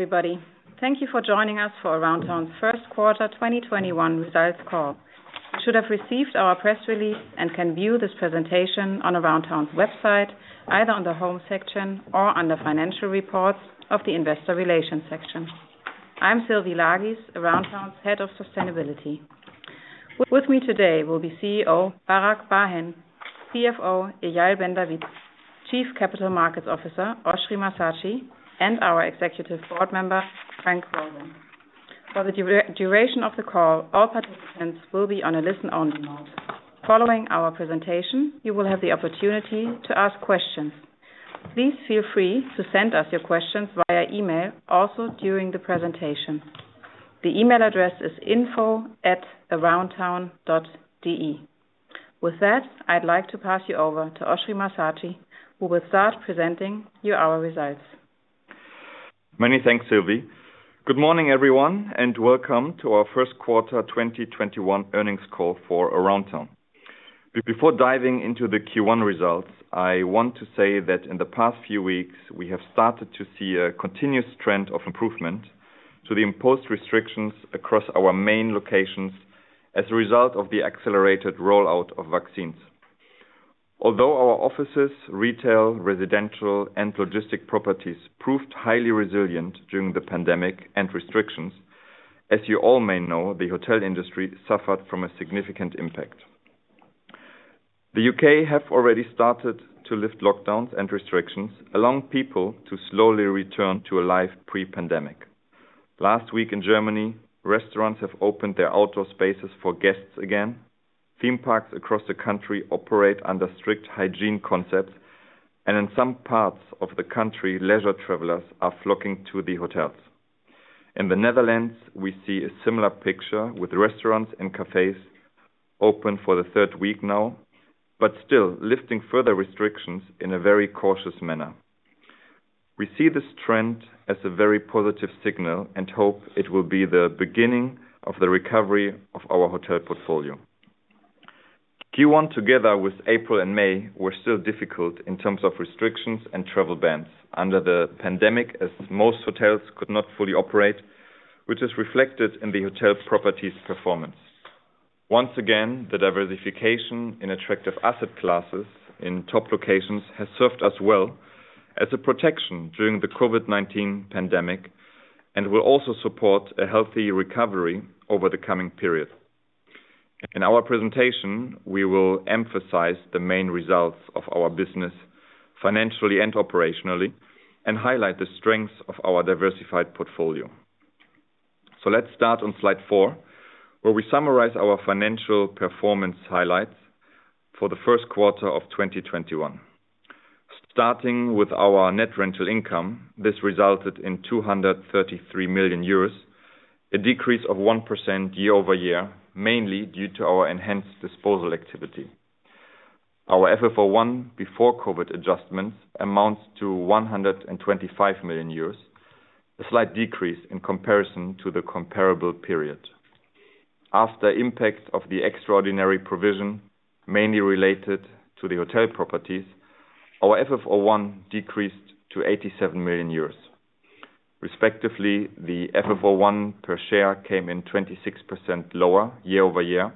Everybody. Thank you for joining us for Aroundtown's First Quarter 2021 Results Call. You should have received our press release and can view this presentation on Aroundtown's website, either on the home section or under financial reports of the Investor Relations section. I'm Sylvie Lagies, Aroundtown's Head of Sustainability. With me today will be CEO Barak Bar-Hen, CFO Eyal Ben-David, Chief Capital Markets Officer Oschrie Massatschi, and our Executive Board Member Frank Roseen. For the duration of the call, all participants will be on a listen-only mode. Following our presentation, you will have the opportunity to ask questions. Please feel free to send us your questions via email also during the presentation. The email address is info@aroundtown.de. With that, I'd like to pass you over to Oschrie Massatschi, who will start presenting you our results. Many thanks, Sylvie. Good morning, everyone, and welcome to our First Quarter 2021 Earnings Call for Aroundtown. Before diving into the Q1 results, I want to say that in the past few weeks, we have started to see a continuous trend of improvement to the imposed restrictions across our main locations as a result of the accelerated rollout of vaccines. Although our offices, retail, residential, and logistic properties proved highly resilient during the pandemic and restrictions, as you all may know, the hotel industry suffered from a significant impact. The U.K. have already started to lift lockdowns and restrictions, allowing people to slowly return to a life pre-pandemic. Last week in Germany, restaurants have opened their outdoor spaces for guests again. Theme parks across the country operate under strict hygiene concepts, and in some parts of the country, leisure travelers are flocking to the hotels. In the Netherlands, we see a similar picture with restaurants and cafes open for the third week now, but still lifting further restrictions in a very cautious manner. We see this trend as a very positive signal and hope it will be the beginning of the recovery of our hotel portfolio. Q1 together with April and May were still difficult in terms of restrictions and travel bans under the pandemic, as most hotels could not fully operate, which is reflected in the hotel properties performance. Once again, the diversification in attractive asset classes in top locations has served us well as a protection during the COVID-19 pandemic and will also support a healthy recovery over the coming period. In our presentation, we will emphasize the main results of our business financially and operationally and highlight the strengths of our diversified portfolio. Let's start on slide four, where we summarize our financial performance highlights for the first quarter of 2021. Starting with our net rental income, this resulted in 233 million euros, a decrease of 1% year-over-year, mainly due to our enhanced disposal activity. Our FFO I before COVID-19 adjustments amounts to 125 million euros, a slight decrease in comparison to the comparable period. After impact of the extraordinary provision, mainly related to the hotel properties, our FFO I decreased to 87 million euros. Respectively, the FFO I per share came in 26% lower year-over-year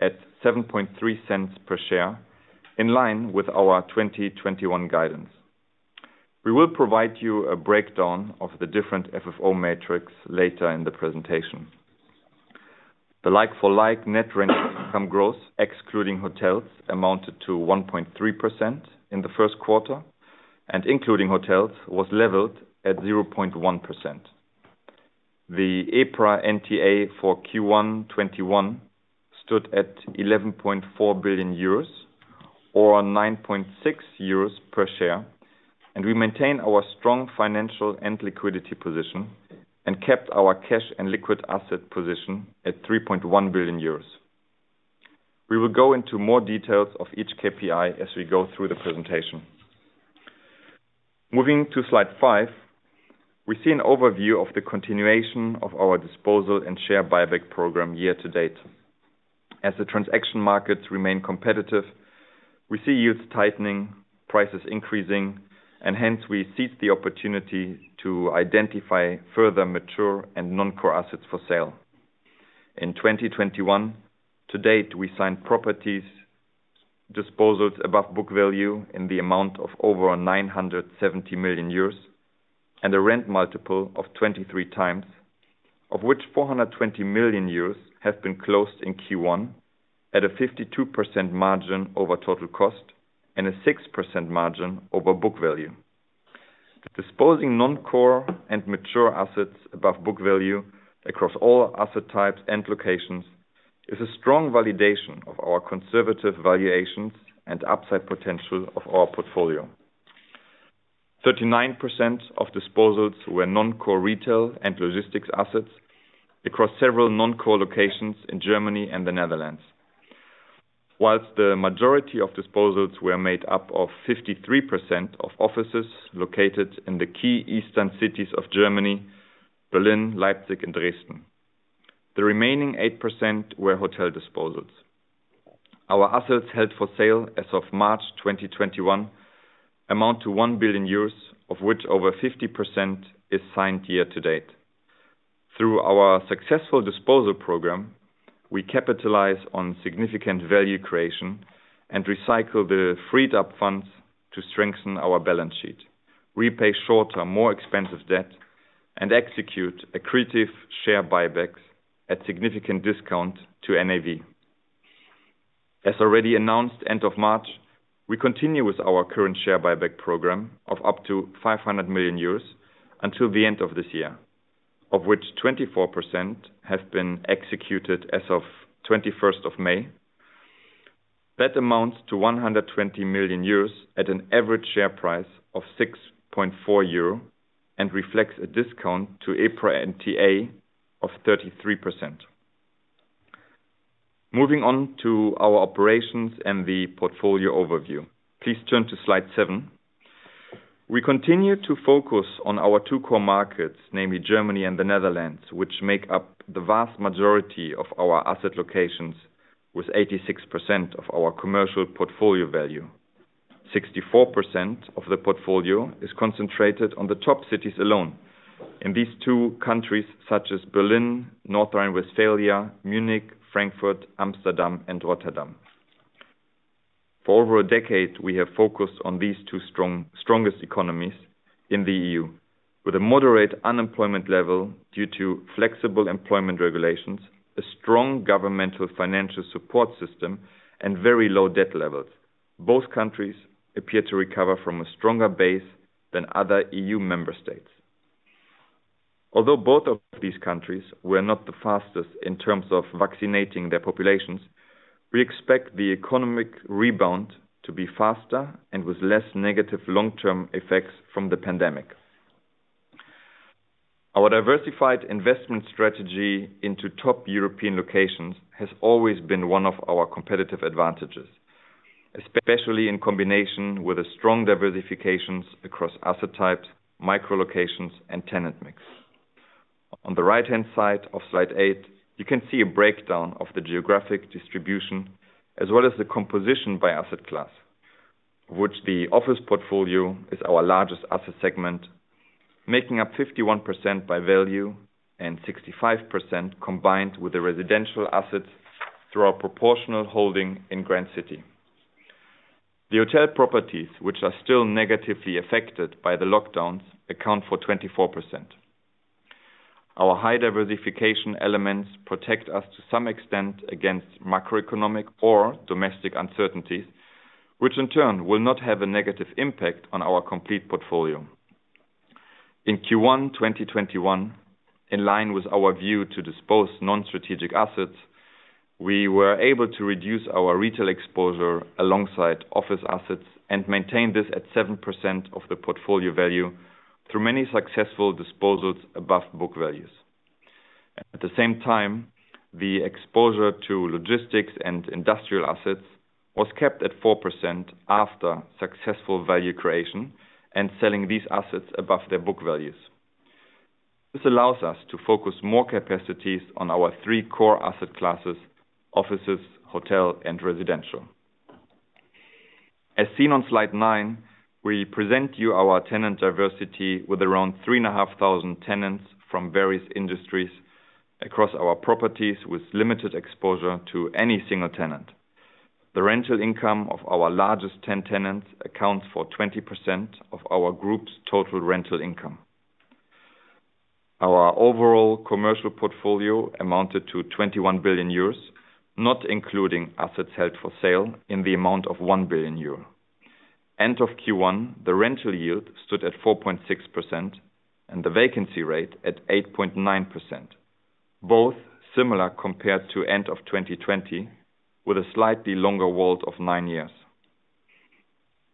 at 0.073 per share, in line with our 2021 guidance. We will provide you a breakdown of the different FFO metrics later in the presentation. The like-for-like net rent income growth excluding hotels amounted to 1.3% in the first quarter and including hotels was leveled at 0.1%. The EPRA NTA for Q1 2021 stood at 11.4 billion euros or 9.6 euros per share. And we maintain our strong financial and liquidity position and kept our cash and liquid asset position at 3.1 billion euros. We will go into more details of each KPI as we go through the presentation. Moving to slide five, we see an overview of the continuation of our disposal and share buyback program year-to-date. As the transaction markets remain competitive, we see yields tightening, prices increasing, and hence we seek the opportunity to identify further mature and non-core assets for sale. In 2021, to date, we signed properties disposals above book value in the amount of over 970 million euros and a rent multiple of 23 times. Of which 420 million euros have been closed in Q1 at a 52% margin over total cost and a 6% margin over book value. Disposing non-core and mature assets above book value across all asset types and locations is a strong validation of our conservative valuations and upside potential of our portfolio. 39% of disposals were non-core retail and logistics assets across several non-core locations in Germany and the Netherlands. Whilst the majority of disposals were made up of 53% of offices located in the key eastern cities of Germany: Berlin, Leipzig, and Dresden. The remaining 8% were hotel disposals. Our assets held for sale as of March 2021 amount to 1 billion euros, of which over 50% is signed year-to-date. Through our successful disposal program, we capitalize on significant value creation and recycle the freed up funds to strengthen our balance sheet. We pay shorter, more expensive debt, and execute accretive share buybacks at significant discount to NAV. As already announced end of March, we continue with our current share buyback program of up to 500 million euros until the end of this year, of which 24% has been executed as of 21st of May. That amounts to 120 million euros at an average share price of 6.4 euro and reflects a discount to EPRA NTA of 33%. Moving on to our operations and the portfolio overview. Please turn to slide seven. We continue to focus on our two core markets, namely Germany and the Netherlands, which make up the vast majority of our asset locations with 86% of our commercial portfolio value. 64% of the portfolio is concentrated on the top cities alone in these two countries such as Berlin, North Rhine-Westphalia, Munich, Frankfurt, Amsterdam, and Rotterdam. For over a decade, we have focused on these two strongest economies in the EU with a moderate unemployment level due to flexible employment regulations, a strong governmental financial support system, and very low debt levels. Both countries appear to recover from a stronger base than other EU member states. Although both of these countries were not the fastest in terms of vaccinating their populations, we expect the economic rebound to be faster and with less negative long-term effects from the pandemic. Our diversified investment strategy into top European locations has always been one of our competitive advantages, especially in combination with a strong diversifications across asset types, micro locations, and tenant mix. On the right-hand side of slide eight, you can see a breakdown of the geographic distribution as well as the composition by asset class, of which the office portfolio is our largest asset segment, making up 51% by value and 65% combined with the residential assets through our proportional holding in Grand City. The hotel properties, which are still negatively affected by the lockdowns, account for 24%. Our high diversification elements protect us to some extent against macroeconomic or domestic uncertainties, which in turn will not have a negative impact on our complete portfolio. In Q1 2021, in line with our view to dispose non-strategic assets, we were able to reduce our retail exposure alongside office assets and maintain this at 7% of the portfolio value through many successful disposals above book values. At the same time, the exposure to logistics and industrial assets was kept at 4% after successful value creation and selling these assets above their book values. This allows us to focus more capacities on our three core asset classes: offices, hotel, and residential. As seen on slide nine, we present you our tenant diversity with around 3,500 tenants from various industries across our properties with limited exposure to any single tenant. The rental income of our largest 10 tenants accounts for 20% of our group's total rental income. Our overall commercial portfolio amounted to 21 billion euros, not including assets held for sale in the amount of 1 billion euro. End of Q1, the rental yield stood at 4.6% and the vacancy rate at 8.9%. Both similar compared to end of 2020 with a slightly longer WALT of nine years.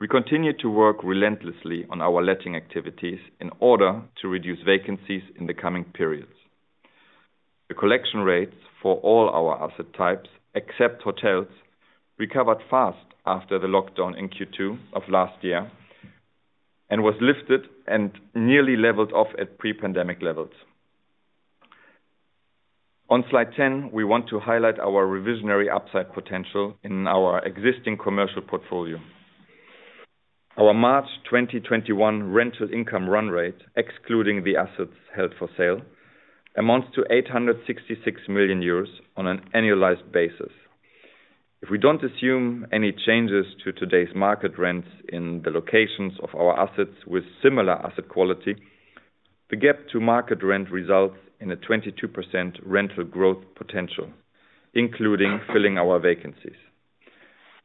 We continue to work relentlessly on our letting activities in order to reduce vacancies in the coming periods. The collection rates for all our asset types, except hotels, recovered fast after the lockdown in Q2 of last year and was lifted and nearly leveled off at pre-pandemic levels. On slide 10, we want to highlight our reversionary upside potential in our existing commercial portfolio. Our March 2021 rental income run rate, excluding the assets held for sale, amounts to 866 million euros on an annualized basis. If we don't assume any changes to today's market rents in the locations of our assets with similar asset quality, the gap to market rent results in a 22% rental growth potential, including filling our vacancies.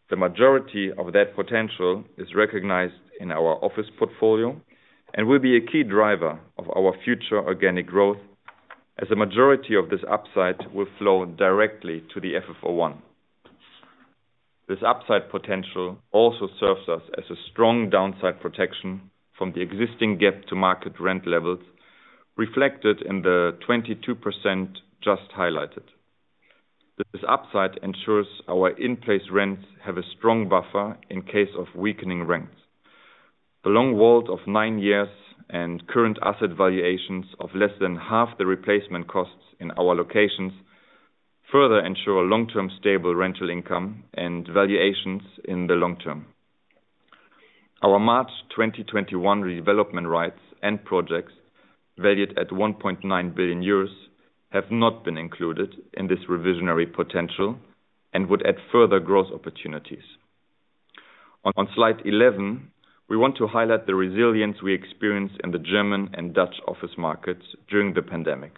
The majority of that potential is recognized in our office portfolio and will be a key driver of our future organic growth as a majority of this upside will flow directly to the FFO I. This upside potential also serves us as a strong downside protection from the existing gap to market rent levels reflected in the 22% just highlighted. This upside ensures our in-place rents have a strong buffer in case of weakening rents. A long WALT of nine years and current asset valuations of less than half the replacement costs in our locations further ensure long-term stable rental income and valuations in the long term. Our March 2021 redevelopment rights and projects, valued at 1.9 billion euros, have not been included in this reversionary potential and would add further growth opportunities. On slide 11, we want to highlight the resilience we experienced in the German and Dutch office markets during the pandemic.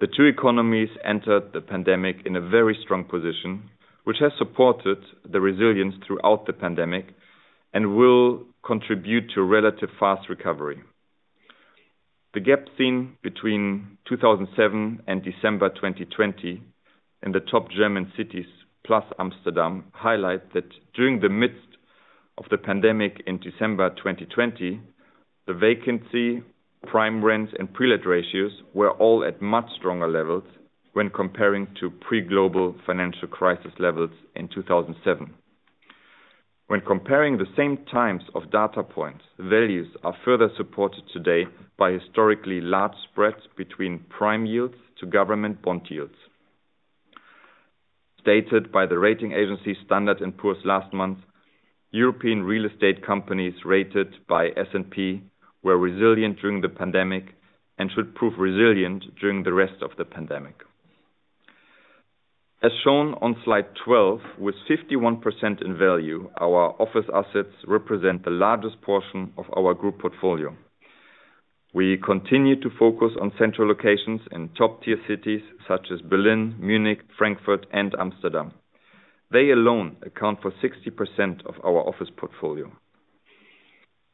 The two economies entered the pandemic in a very strong position, which has supported the resilience throughout the pandemic and will contribute to a relatively fast recovery. The gap seen between 2007 and December 2020 in the top German cities plus Amsterdam highlight that during the midst of the pandemic in December 2020, the vacancy, prime rents, and pre-let ratios were all at much stronger levels when comparing to pre-global financial crisis levels in 2007. When comparing the same times of data points, values are further supported today by historically large spreads between prime yields to government bond yields. Stated by the rating agency Standard & Poor's last month, European real estate companies rated by S&P were resilient during the pandemic and should prove resilient during the rest of the pandemic. As shown on slide 12, with 51% in value, our office assets represent the largest portion of our group portfolio. We continue to focus on central locations in top-tier cities such as Berlin, Munich, Frankfurt, and Amsterdam. They alone account for 60% of our office portfolio.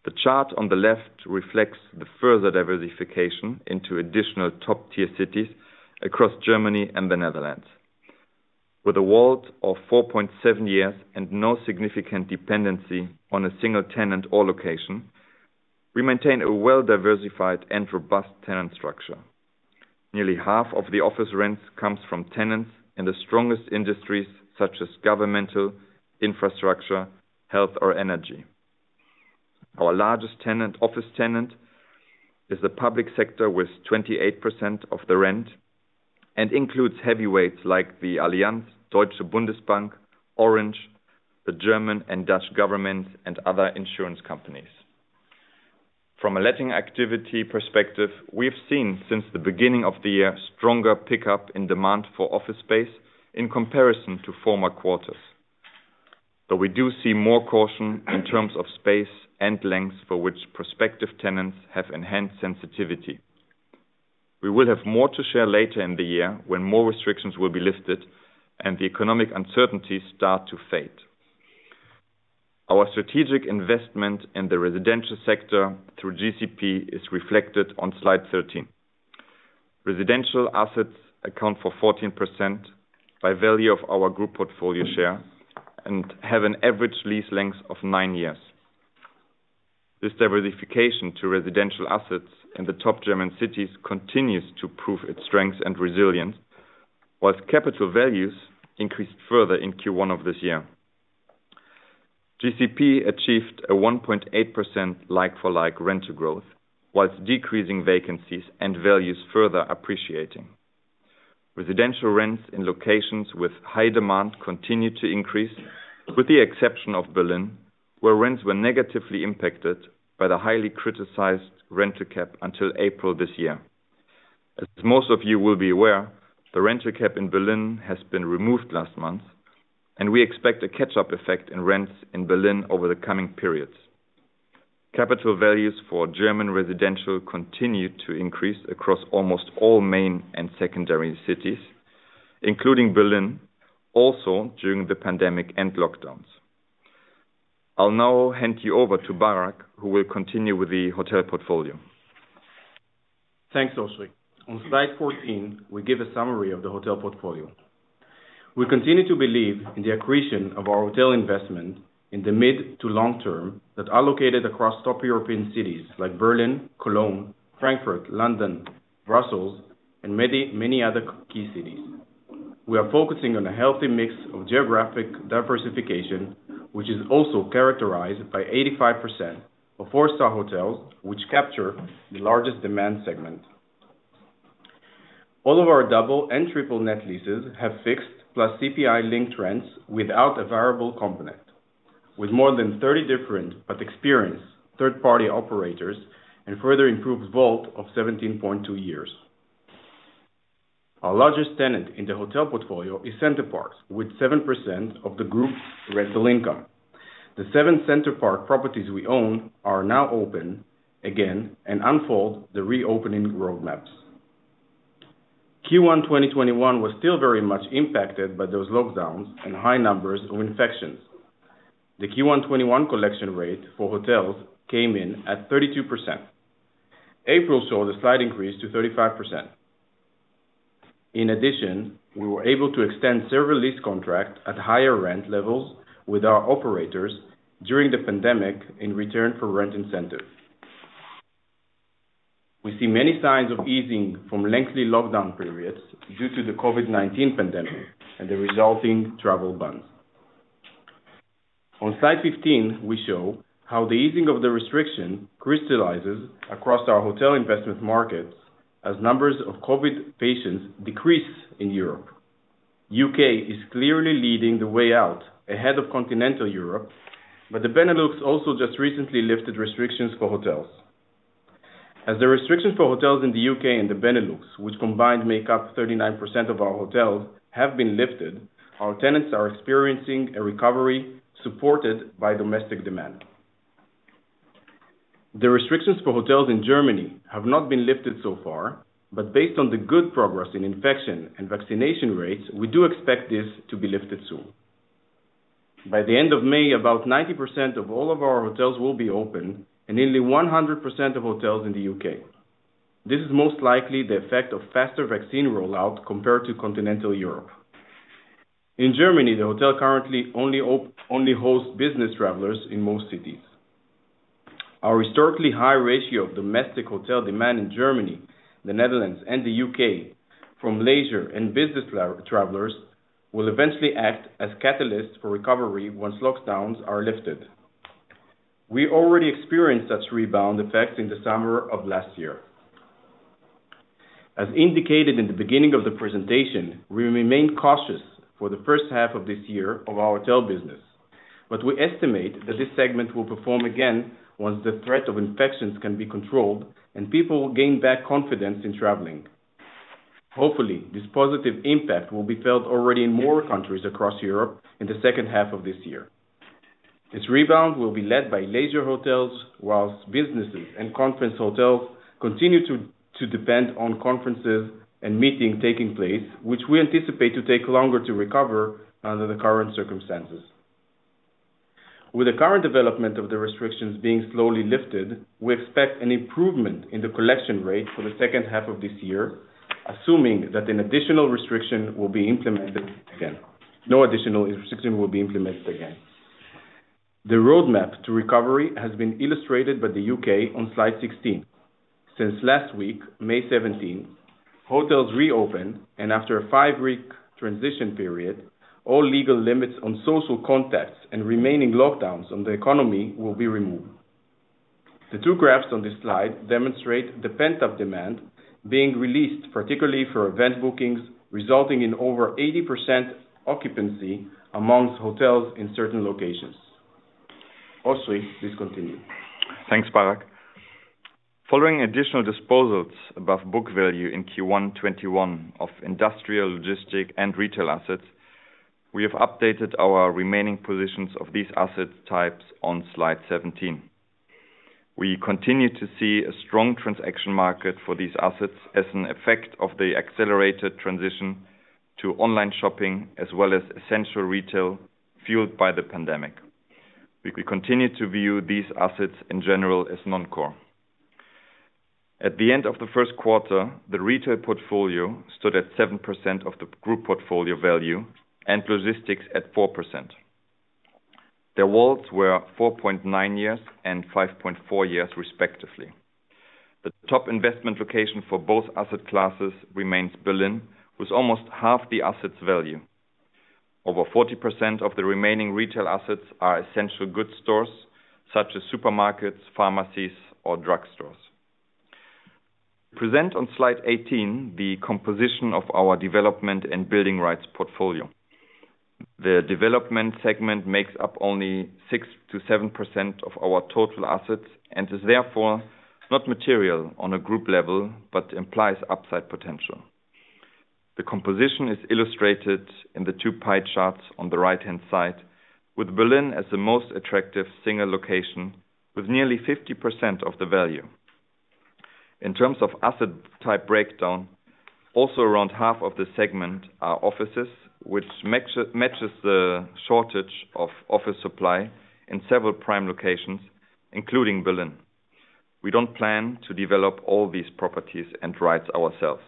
The chart on the left reflects the further diversification into additional top-tier cities across Germany and the Netherlands. With a WALT of 4.7 years and no significant dependency on a single tenant or location, we maintain a well-diversified and robust tenant structure. Nearly half of the office rents comes from tenants in the strongest industries such as governmental, infrastructure, health, or energy. Our largest office tenant is the public sector with 28% of the rent and includes heavyweights like the Allianz, Deutsche Bundesbank, Orange, the German and Dutch governments, and other insurance companies. From a letting activity perspective, we have seen since the beginning of the year, stronger pickup in demand for office space in comparison to former quarters. We do see more caution in terms of space and length for which prospective tenants have enhanced sensitivity. We will have more to share later in the year when more restrictions will be lifted and the economic uncertainties start to fade. Our strategic investment in the residential sector through GCP is reflected on slide 13. Residential assets account for 14% by value of our group portfolio share and have an average lease length of nine years. This diversification to residential assets in the top German cities continues to prove its strength and resilience, while capital values increased further in Q1 of this year. GCP achieved a 1.8% like-for-like rental growth while decreasing vacancies and values further appreciating. Residential rents in locations with high demand continued to increase, with the exception of Berlin, where rents were negatively impacted by the highly criticized rental cap until April this year. As most of you will be aware, the rental cap in Berlin has been removed last month, and we expect a catch-up effect in rents in Berlin over the coming periods. Capital values for German residential continued to increase across almost all main and secondary cities, including Berlin, also during the pandemic and lockdowns. I will now hand you over to Barak, who will continue with the hotel portfolio. Thanks, Oschrie. On slide 14, we give a summary of the hotel portfolio. We continue to believe in the accretion of our hotel investment in the mid to long term that are located across top European cities like Berlin, Cologne, Frankfurt, London, Brussels, and many other key cities. We are focusing on a healthy mix of geographic diversification, which is also characterized by 85% of four-star hotels, which capture the largest demand segment. All of our double and triple net leases have fixed plus CPI-linked rents without a variable component. With more than 30 different but experienced third-party operators and further improved WALT of 17.2 years. Our largest tenant in the hotel portfolio is Center Parcs, with 7% of the group's rental income. The seven Center Parcs properties we own are now open again and unfold the reopening roadmaps. Q1 2021 was still very much impacted by those lockdowns and high numbers of infections. The Q1 2021 collection rate for hotels came in at 32%. April saw the slight increase to 35%. In addition, we were able to extend several lease contracts at higher rent levels with our operators during the pandemic in return for rent incentives. We see many signs of easing from lengthy lockdown periods due to the COVID-19 pandemic and the resulting travel bans. On slide 15, we show how the easing of the restriction crystallizes across our hotel investment markets as numbers of COVID patients decrease in Europe. U.K. is clearly leading the way out ahead of continental Europe, but the Benelux also just recently lifted restrictions for hotels. As the restrictions for hotels in the U.K. and the Benelux, which combined make up 39% of our hotels, have been lifted, our tenants are experiencing a recovery supported by domestic demand. The restrictions for hotels in Germany have not been lifted so far, but based on the good progress in infection and vaccination rates, we do expect this to be lifted soon. By the end of May, about 90% of all of our hotels will be open and nearly 100% of hotels in the U.K. This is most likely the effect of faster vaccine rollout compared to continental Europe. In Germany, the hotel currently only hosts business travelers in most cities. Our historically high ratio of domestic hotel demand in Germany, the Netherlands, and the U.K. from leisure and business travelers will eventually act as catalysts for recovery once lockdowns are lifted. We already experienced that rebound effect in the summer of last year. As indicated in the beginning of the presentation, we remain cautious for the first half of this year of our hotel business. We estimate that this segment will perform again once the threat of infections can be controlled, and people will gain back confidence in traveling. Hopefully, this positive impact will be felt already in more countries across Europe in the second half of this year. This rebound will be led by leisure hotels, whilst businesses and conference hotels continue to depend on conferences and meetings taking place, which we anticipate to take longer to recover under the current circumstances. With the current development of the restrictions being slowly lifted, we expect an improvement in the collection rate for the second half of this year, assuming that no additional restriction will be implemented again. The roadmap to recovery has been illustrated by the U.K. on slide 16. Since last week, May 17, hotels reopened, and after a five-week transition period, all legal limits on social contacts and remaining lockdowns on the economy will be removed. The two graphs on this slide demonstrate the pent-up demand being released particularly for event bookings, resulting in over 80% occupancy amongst hotels in certain locations. Oschrie, please continue. Thanks, Barak. Following additional disposals above book value in Q1 2021 of industrial, logistic, and retail assets, we have updated our remaining positions of these asset types on slide 17. We continue to see a strong transaction market for these assets as an effect of the accelerated transition to online shopping, as well as essential retail fueled by the pandemic. We continue to view these assets in general as non-core. At the end of the first quarter, the retail portfolio stood at 7% of the group portfolio value and logistics at 4%. Their WALTs were 4.9 years and 5.4 years respectively. The top investment location for both asset classes remains Berlin, with almost half the asset value. Over 40% of the remaining retail assets are essential goods stores, such as supermarkets, pharmacies, or drugstores. We present on slide 18 the composition of our development and building rights portfolio. The development segment makes up only 6%-7% of our total assets and is therefore not material on a group level but implies upside potential. The composition is illustrated in the two pie charts on the right-hand side, with Berlin as the most attractive single location, with nearly 50% of the value. In terms of asset type breakdown, also around half of the segment are offices, which matches the shortage of office supply in several prime locations, including Berlin. We don't plan to develop all these properties and rights ourselves.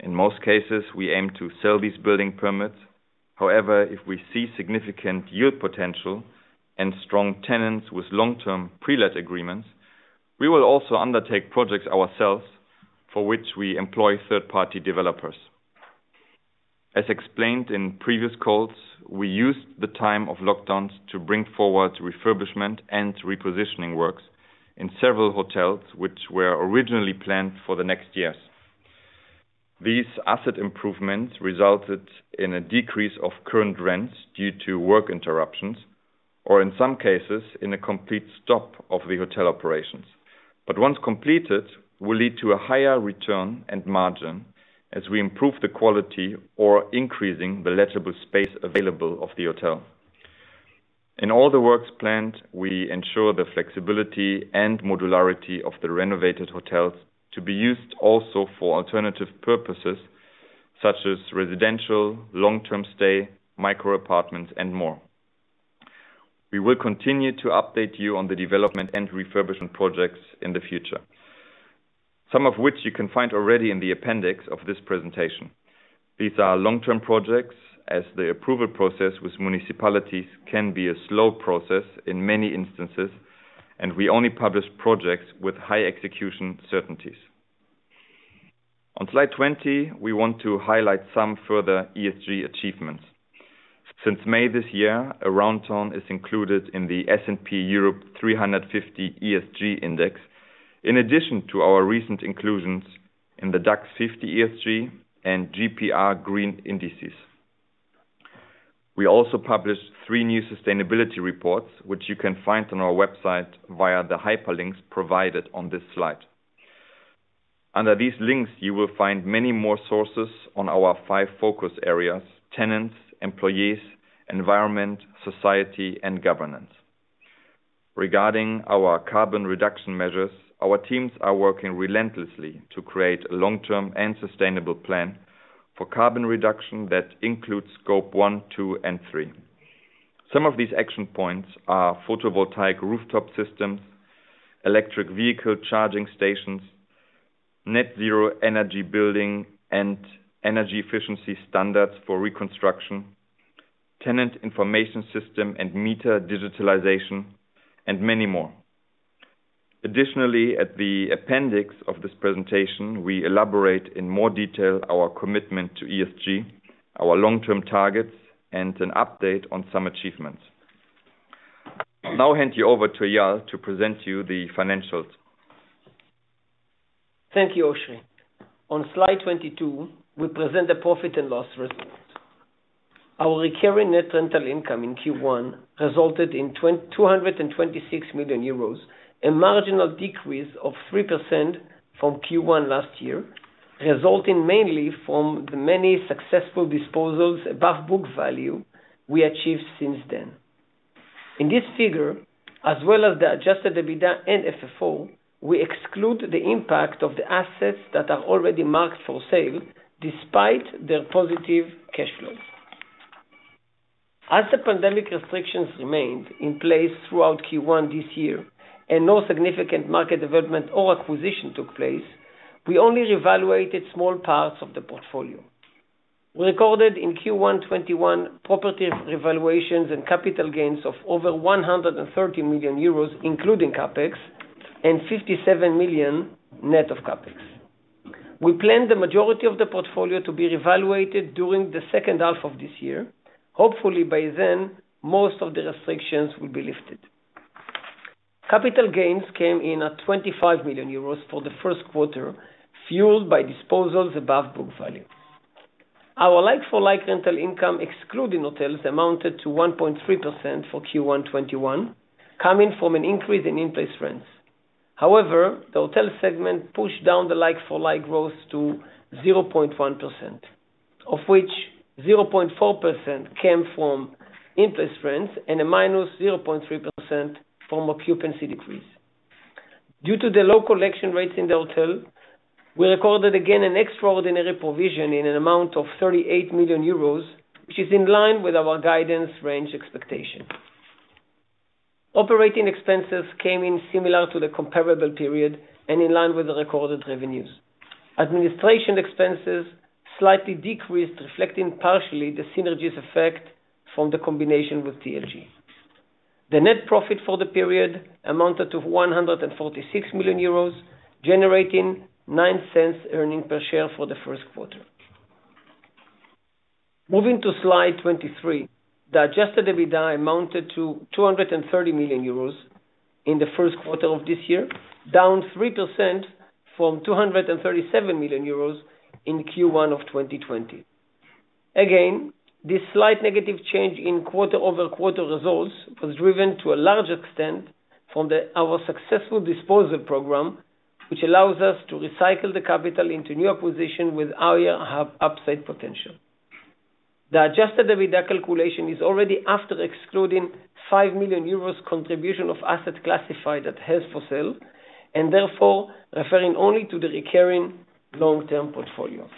In most cases, we aim to sell these building permits. However, if we see significant yield potential and strong tenants with long-term pre-let agreements, we will also undertake projects ourselves for which we employ third-party developers. As explained in previous calls, we used the time of lockdowns to bring forward refurbishment and repositioning works in several hotels, which were originally planned for the next years. These asset improvements resulted in a decrease of current rents due to work interruptions, or in some cases, in a complete stop of the hotel operations. But once completed, will lead to a higher return and margin as we improve the quality or increasing the lettable space available of the hotel. In all the works planned, we ensure the flexibility and modularity of the renovated hotels to be used also for alternative purposes such as residential, long-term stay, micro apartments, and more. We will continue to update you on the development and refurbishment projects in the future. Some of which you can find already in the appendix of this presentation. These are long-term projects as the approval process with municipalities can be a slow process in many instances. And we only publish projects with high execution certainties. On slide 20, we want to highlight some further ESG achievements. Since May this year, Aroundtown is included in the S&P Europe 350 ESG Index, in addition to our recent inclusions in the DAX 50 ESG and GPR Sustainable Real Estate Index. We also published three new sustainability reports, which you can find on our website via the hyperlinks provided on this slide. Under these links, you will find many more sources on our five focus areas: tenants, employees, environment, society, and governance. Regarding our carbon reduction measures, our teams are working relentlessly to create a long-term and sustainable plan for carbon reduction that includes Scope 1, 2, and 3. Some of these action points are photovoltaic rooftop systems, electric vehicle charging stations, net zero energy building, and energy efficiency standards for reconstruction, tenant information system and meter digitalization, and many more. Additionally, at the appendix of this presentation, we elaborate in more detail our commitment to ESG, our long-term targets, and an update on some achievements. I'll now hand you over to Eyal to present to you the financials. Thank you, Oschrie. On slide 22, we present the profit and loss results. Our recurring net rental income in Q1 resulted in 226 million euros, a marginal decrease of 3% from Q1 last year, resulting mainly from the many successful disposals above book value we achieved since then. In this figure, as well as the adjusted EBITDA and FFO, we exclude the impact of the assets that are already marked for sale despite their positive cash flows. As the pandemic restrictions remained in place throughout Q1 this year, and no significant market development or acquisition took place, we only reevaluated small parts of the portfolio. Recorded in Q1 2021, properties revaluations and capital gains of over 130 million euros, including CapEx, and 57 million net of CapEx. We plan the majority of the portfolio to be reevaluated during the second half of this year. Hopefully by then, most of the restrictions will be lifted. Capital gains came in at 25 million euros for the first quarter, fueled by disposals above book value. Our like-for-like rental income, excluding hotels, amounted to 1.3% for Q1 2021, coming from an increase in in-place rents. However, the hotel segment pushed down the like-for-like growth to 0.1%, of which 0.4% came from in-place rents and a -0.3% from occupancy decrease. Due to the low collection rate in the hotel, we recorded again an extraordinary provision in an amount of 38 million euros, which is in line with our guidance range expectation. Operating expenses came in similar to the comparable period and in line with the recorded revenues. Administration expenses slightly decreased, reflecting partially the synergies effect from the combination with TLG. The net profit for the period amounted to 146 million euros, generating 0.09 earnings per share for the first quarter. Moving to slide 23. The adjusted EBITDA amounted to 230 million euros in the first quarter of this year, down 3% from 237 million euros in Q1 of 2020. Again, this slight negative change in quarter-over-quarter results was driven to a large extent from our successful disposal program, which allows us to recycle the capital into new acquisition with higher upside potential. The adjusted EBITDA calculation is already after excluding 5 million euros contribution of assets classified as held for sale, and therefore, referring only to the recurring long-term portfolio.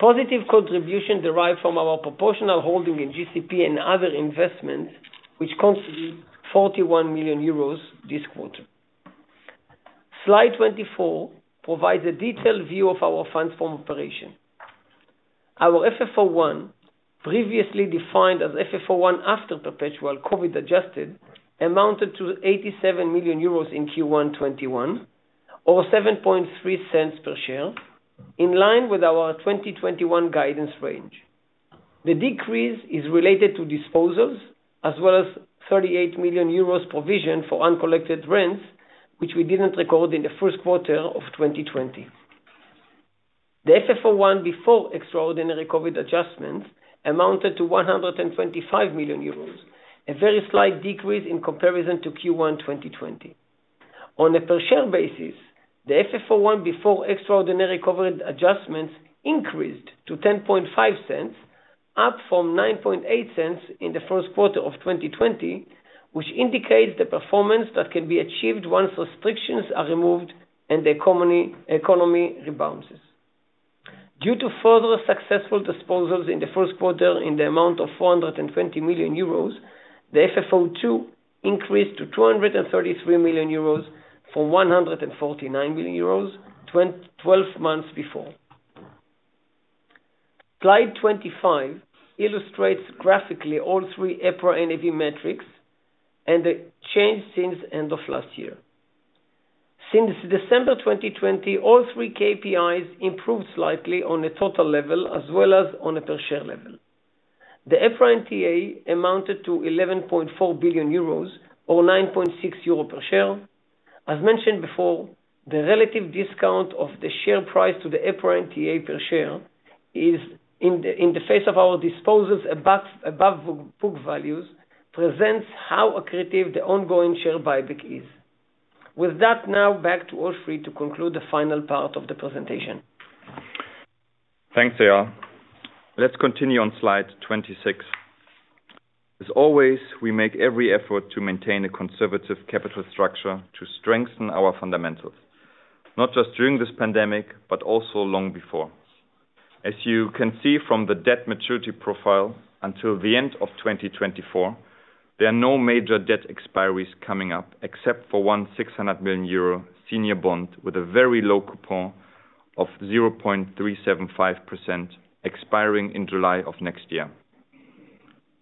Positive contribution derived from our proportional holding in GCP and other investments, which constitute 41 million euros this quarter. Slide 24 provides a detailed view of our funds from operations. Our FFO I, previously defined as FFO I after perpetual COVID-19 adjusted, amounted to 87 million euros in Q1 2021, or 0.073 per share, in line with our 2021 guidance range. The decrease is related to disposals as well as 38 million euros provision for uncollected rents, which we didn't record in the first quarter of 2020. The FFO I before extraordinary COVID-19 adjustments amounted to 125 million euros, a very slight decrease in comparison to Q1 2020. On a per share basis, the FFO I before extraordinary COVID-19 adjustments increased to 0.105, up from 0.098 in the first quarter of 2020, which indicates the performance that can be achieved once restrictions are removed and the economy rebounds. Due to further successful disposals in the first quarter in the amount of 420 million euros, the FFO II increased to 233 million euros from 149 million euros 12 months before. Slide 25 illustrates graphically all three EPRA NAT metrics and the change since end of last year. Since December 2020, all three KPIs improved slightly on a total level as well as on a per share level. The EPRA NTA amounted to 11.4 billion euros or 9.6 euro per share. As mentioned before, the relative discount of the share price to the EPRA NTA per share if in the- in the face of our disposals above book values presents how accretive the ongoing share buyback is. With that now back to Oschrie to conclude the final part of the presentation. Thanks, Eyal. Let's continue on slide 26. As always, we make every effort to maintain a conservative capital structure to strengthen our fundamentals, not just during this pandemic, but also long before. As you can see from the debt maturity profile, until the end of 2024, there are no major debt expiries coming up except for one 600 million euro senior bond with a very low coupon of 0.375% expiring in July of next year.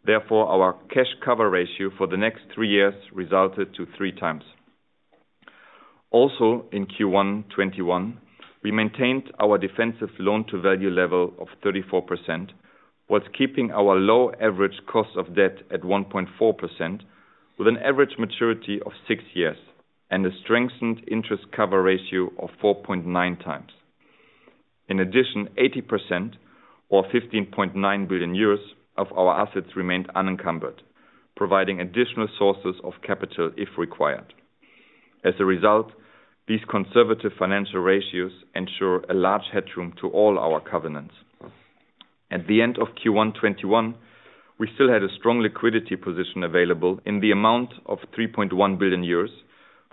Therefore, our cash cover ratio for the next three years resulted to 3x. Also, in Q1 2021, we maintained our defensive loan to value level of 34%, whilst keeping our low average cost of debt at 1.4% with an average maturity of six years and a strengthened interest cover ratio of 4.9x. In addition, 80% or 15.9 billion euros of our assets remained unencumbered, providing additional sources of capital if required. As a result, these conservative financial ratios ensure a large headroom to all our covenants. At the end of Q1 2021, we still had a strong liquidity position available in the amount of 3.1 billion euros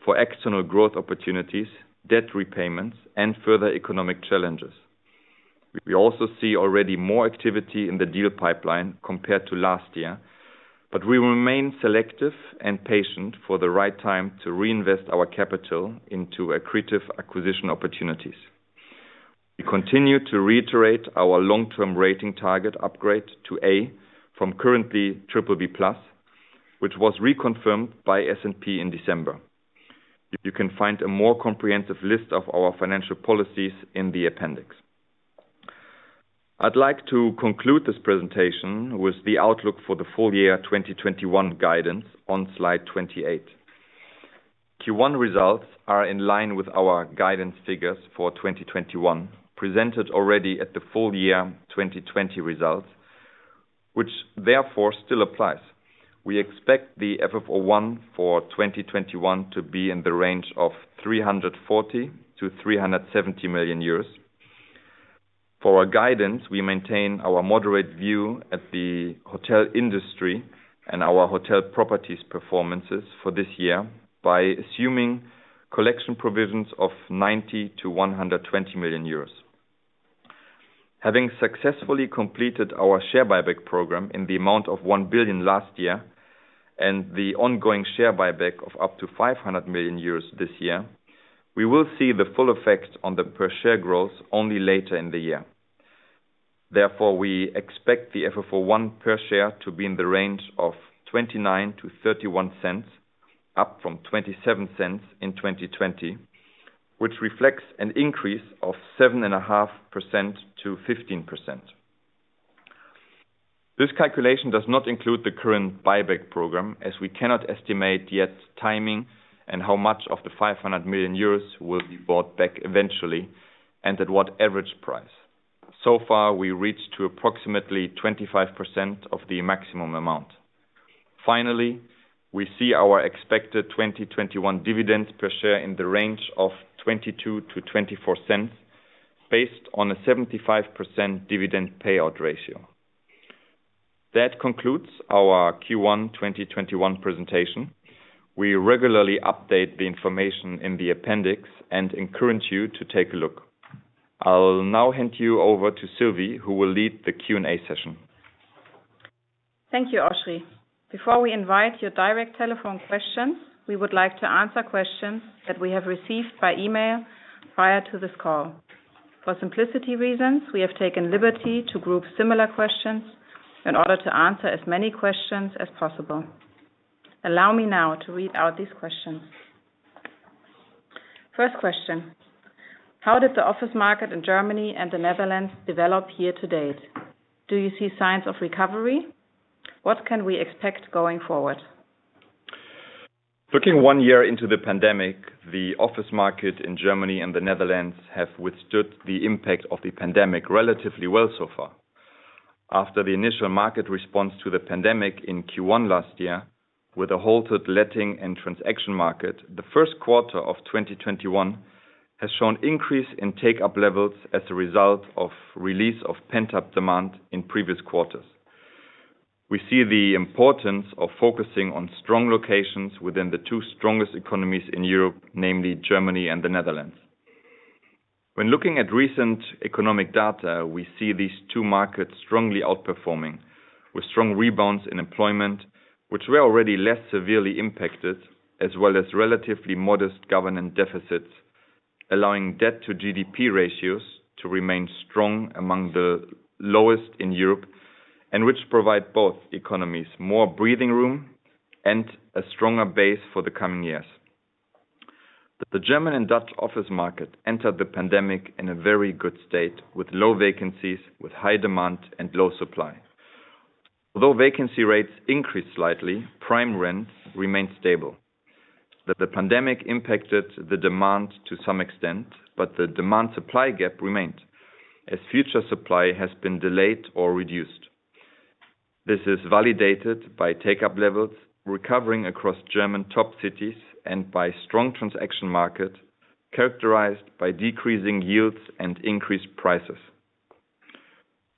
for external growth opportunities, debt repayments, and further economic challenges. We also see already more activity in the deal pipeline compared to last year, but we remain selective and patient for the right time to reinvest our capital into accretive acquisition opportunities. We continue to reiterate our long term rating target upgrade to A from currently BBB+, which was reconfirmed by S&P in December. You can find a more comprehensive list of our financial policies in the appendix. I'd like to conclude this presentation with the outlook for the full year 2021 guidance on slide 28. Q1 results are in line with our guidance figures for 2021, presented already at the full year 2020 results, which therefore still applies. We expect the FFO I for 2021 to be in the range of 340 million-370 million euros. For our guidance, we maintain our moderate view at the hotel industry and our hotel properties performances for this year by assuming collection provisions of 90 million-120 million euros. Having successfully completed our share buyback program in the amount of 1 billion last year, and the ongoing share buyback of up to 500 million euros this year, we will see the full effect on the per share growth only later in the year. Therefore, we expect the FFO I per share to be in the range of 0.29-0.31, up from 0.27 in 2020, which reflects an increase of 7.5%-15%. This calculation does not include the current buyback program as we cannot estimate yet timing and how much of the 500 million euros will be bought back eventually, and at what average price. So far, we reached to approximately 25% of the maximum amount. Finally, we see our expected 2021 dividends per share in the range of 0.22-0.24, based on a 75% dividend payout ratio. That concludes our Q1 2021 presentation. We regularly update the information in the appendix and encourage you to take a look. I'll now hand you over to Sylvie, who will lead the Q&A session. Thank you, Oschrie. Before we invite your direct telephone questions, we would like to answer questions that we have received by email prior to this call. For simplicity reasons, we have taken liberty to group similar questions in order to answer as many questions as possible. Allow me now to read out these questions. First question. How did the office market in Germany and the Netherlands develop year to date? Do you see signs of recovery? What can we expect going forward? Looking one year into the pandemic, the office market in Germany and the Netherlands have withstood the impact of the pandemic relatively well so far. After the initial market response to the pandemic in Q1 last year, with a halted letting and transaction market, the first quarter of 2021 has shown increase in take-up levels as a result of release of pent-up demand in previous quarters. We see the importance of focusing on strong locations within the two strongest economies in Europe, namely Germany and the Netherlands. When looking at recent economic data, we see these two markets strongly outperforming with strong rebounds in employment, which were already less severely impacted, as well as relatively modest government deficits, allowing debt to GDP ratios to remain strong among the lowest in Europe, and which provide both economies more breathing room and a stronger base for the coming years. The German and Dutch office market entered the pandemic in a very good state with low vacancies, with high demand and low supply. Although vacancy rates increased slightly, prime rents remained stable. The pandemic impacted the demand to some extent, but the demand supply gap remained, as future supply has been delayed or reduced. This is validated by take-up levels recovering across German top cities and by strong transaction market characterized by decreasing yields and increased prices.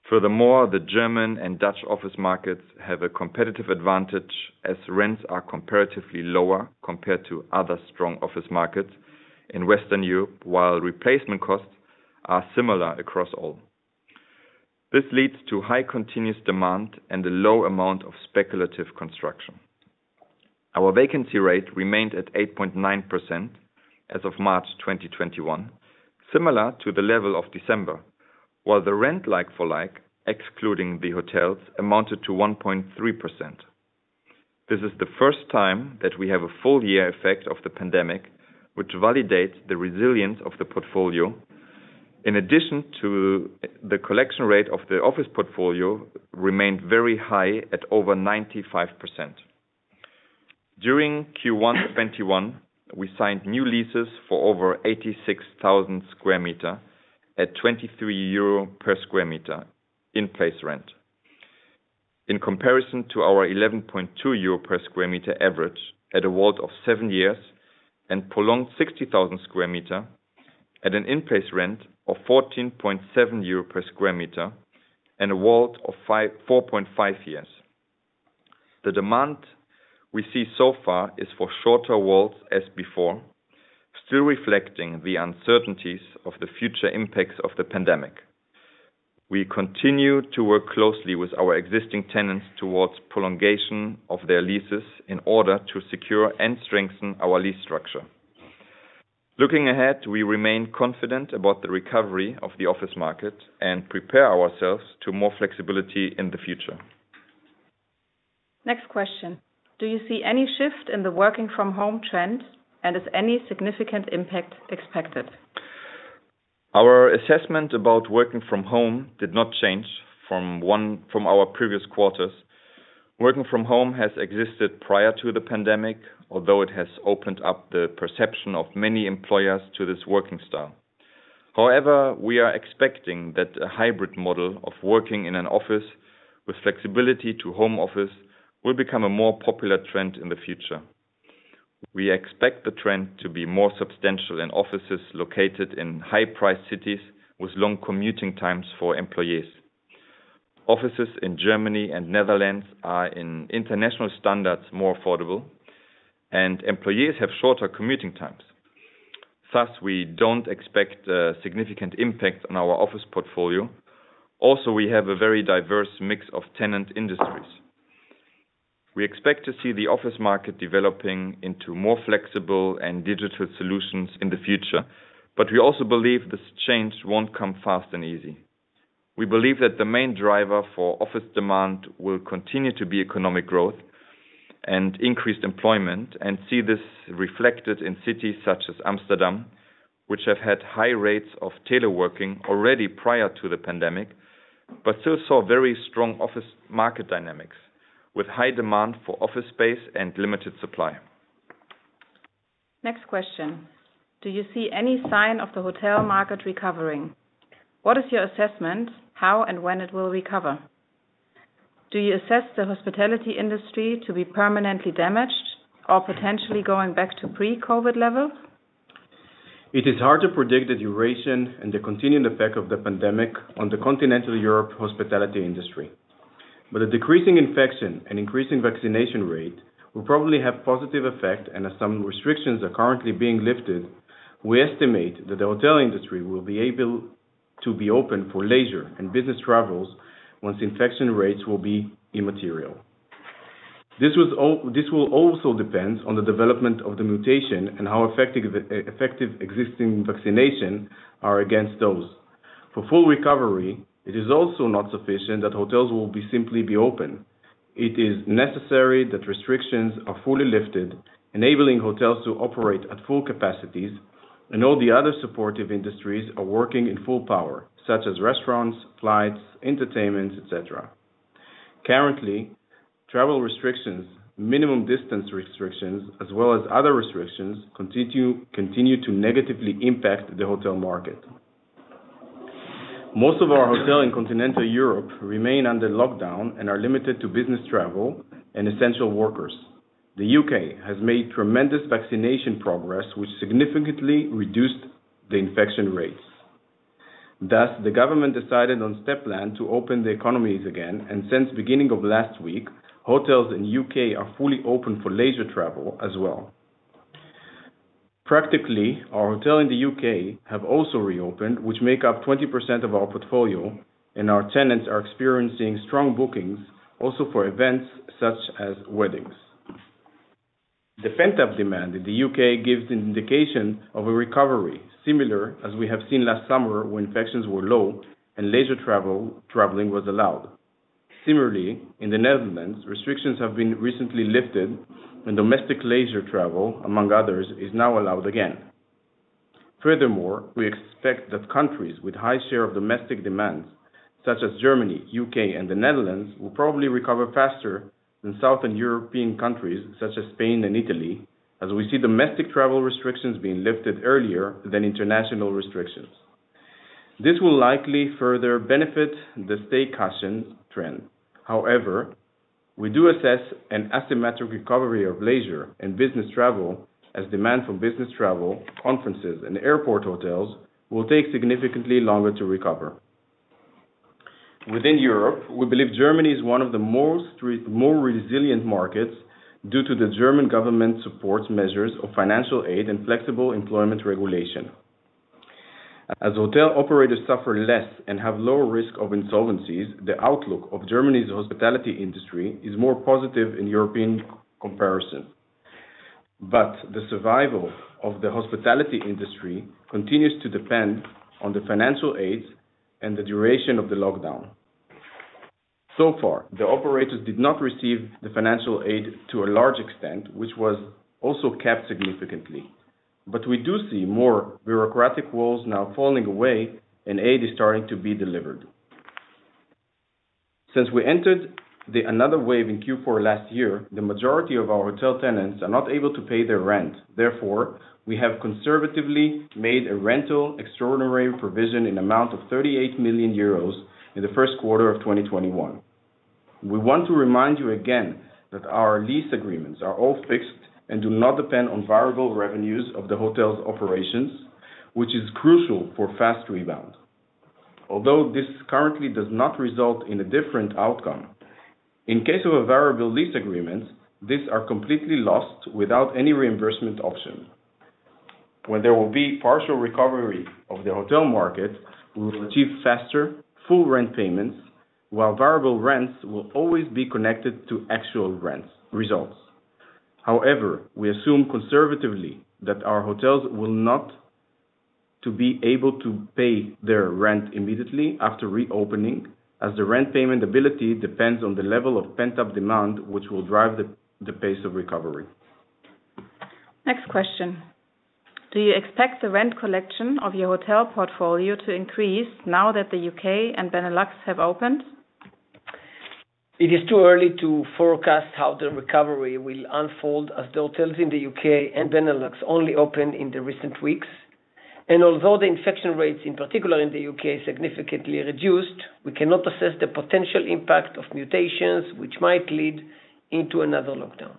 Furthermore, the German and Dutch office markets have a competitive advantage as rents are comparatively lower compared to other strong office markets in Western Europe, while replacement costs are similar across all. This leads to high continuous demand and a low amount of speculative construction. Our vacancy rate remained at 8.9% as of March 2021, similar to the level of December. While the rent like for like, excluding the hotels, amounted to 1.3%. This is the first time that we have a full-year effect of the pandemic, which validates the resilience of the portfolio. In addition to the collection rate of the office portfolio remained very high at over 95%. During Q1 2021, we signed new leases for over 86,000 sq m at 23 euro per sq m in place rent. In comparison to our 11.2 euro per sq m average at a WALT of seven years and prolonged 60,000 sq m at an in place rent of 14.7 euro per sq m and a WALT of 4.5 years. The demand we see so far is for shorter WALTs as before, still reflecting the uncertainties of the future impacts of the pandemic. We continue to work closely with our existing tenants towards prolongation of their leases in order to secure and strengthen our lease structure. Looking ahead, we remain confident about the recovery of the office market and prepare ourselves to more flexibility in the future. Next question. Do you see any shift in the working from home trend, and is any significant impact expected? Our assessment about working from home did not change from our previous quarters. Working from home has existed prior to the pandemic, although it has opened up the perception of many employers to this working style. We are expecting that a hybrid model of working in an office with flexibility to home office will become a more popular trend in the future. We expect the trend to be more substantial in offices located in high price cities with long commuting times for employees. Offices in Germany and Netherlands are in international standards more affordable, and employees have shorter commuting times. Thus, we don't expect a significant impact on our office portfolio. Also, we have a very diverse mix of tenant industries. We expect to see the office market developing into more flexible and digital solutions in the future. But we also believe this change won't come fast and easy. We believe that the main driver for office demand will continue to be economic growth and increased employment and see this reflected in cities such as Amsterdam, which have had high rates of teleworking already prior to the pandemic, but still saw very strong office market dynamics with high demand for office space and limited supply. Next question. Do you see any sign of the hotel market recovering? What is your assessment, how and when it will recover? Do you assess the hospitality industry to be permanently damaged or potentially going back to pre-COVID levels? It is hard to predict the duration and the continued effect of the pandemic on the continental Europe hospitality industry. But a decreasing infection and increasing vaccination rate will probably have positive effect. As some restrictions are currently being lifted, we estimate that the hotel industry will be able to be open for leisure and business travels once infection rates will be immaterial. This will also depend on the development of the mutation and how effective existing vaccinations are against those. For full recovery, it is also not sufficient that hotels will be simply be open. It is necessary that restrictions are fully lifted, enabling hotels to operate at full capacities and all the other supportive industries are working in full power, such as restaurants, flights, entertainment, et cetera. Currently, travel restrictions, minimum distance restrictions, as well as other restrictions continue to negatively impact the hotel market. Most of our hotel in continental Europe remain under lockdown and are limited to business travel and essential workers. The U.K. has made tremendous vaccination progress, which significantly reduced the infection rates. Thus, the government decided on step plan to open the economies again, and since beginning of last week, hotels in the U.K. are fully open for leisure travel as well. Practically, our hotel in the U.K. have also reopened, which make up 20% of our portfolio, and our tenants are experiencing strong bookings also for events such as weddings. The pent-up demand in the U.K. gives the indication of a recovery similar as we have seen last summer when infections were low and leisure traveling was allowed. Similarly, in the Netherlands, restrictions have been recently lifted and domestic leisure travel, among others, is now allowed again. Furthermore, we expect that countries with high share of domestic demands such as Germany, U.K., and the Netherlands will probably recover faster than Southern European countries such as Spain and Italy, as we see domestic travel restrictions being lifted earlier than international restrictions. This will likely further benefit the staycation trend. However, we do assess an asymmetric recovery of leisure and business travel as demand for business travel, conferences, and airport hotels will take significantly longer to recover. Within Europe, we believe Germany is one of the more resilient markets due to the German government support measures of financial aid and flexible employment regulation. As hotel operators suffer less and have lower risk of insolvencies, the outlook of Germany's hospitality industry is more positive in European comparison. But the survival of the hospitality industry continues to depend on the financial aid and the duration of the lockdown. So far, the operators did not receive the financial aid to a large extent, which was also kept significantly. But we do see more bureaucratic walls now falling away and aid is starting to be delivered. Since we entered the another wave in Q4 last year, the majority of our hotel tenants are not able to pay their rent. Therefore, we have conservatively made a rental extraordinary provision in amount of 38 million euros in the first quarter of 2021. We want to remind you again that our lease agreements are all fixed and do not depend on variable revenues of the hotel's operations, which is crucial for fast rebound. Although this currently does not result in a different outcome, in case of a variable lease agreement, these are completely lost without any reimbursement option. When there will be partial recovery of the hotel market, we will receive faster full rent payments, while variable rents will always be connected to actual results. However, we assume conservatively that our hotels will not be able to pay their rent immediately after reopening, as the rent payment ability depends on the level of pent-up demand, which will drive the pace of recovery. Next question. Do you expect the rent collection of your hotel portfolio to increase now that the U.K. and Benelux have opened? It is too early to forecast how the recovery will unfold as hotels in the U.K. and Benelux only opened in the recent weeks. Although the infection rates in particular in the U.K. significantly reduced, we cannot assess the potential impact of mutations, which might lead into another lockdown.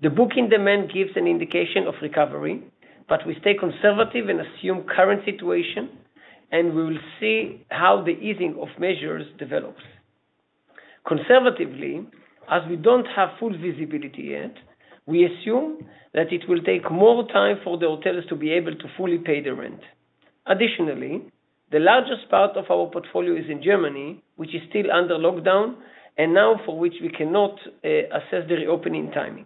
The booking demand gives an indication of recovery, but we stay conservative and assume current situation, and we will see how the easing of measures develops. Conservatively, as we don't have full visibility yet, we assume that it will take more time for the hotels to be able to fully pay the rent. Additionally, the largest part of our portfolio is in Germany, which is still under lockdown, and now for which we cannot assess the reopening timing.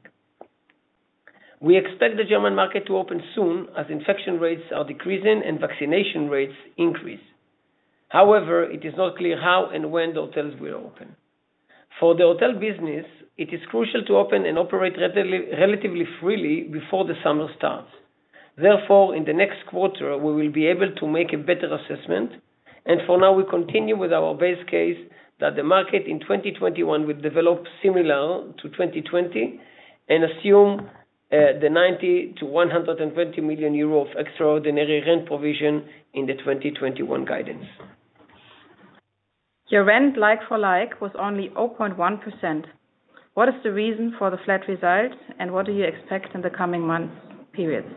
We expect the German market to open soon as infection rates are decreasing and vaccination rates increase. However, it is not clear how and when the hotels will open. For the hotel business, it is crucial to open and operate relatively freely before the summer starts. Therefore, in the next quarter, we will be able to make a better assessment. For now, we continue with our base case that the market in 2021 will develop similar to 2020 and assume the EURO 90 million-EURO 120 million of extraordinary rent provision in the 2021 guidance. Your rent like-for-like was only 0.1%. What is the reason for the flat result, and what do you expect in the coming months/periods?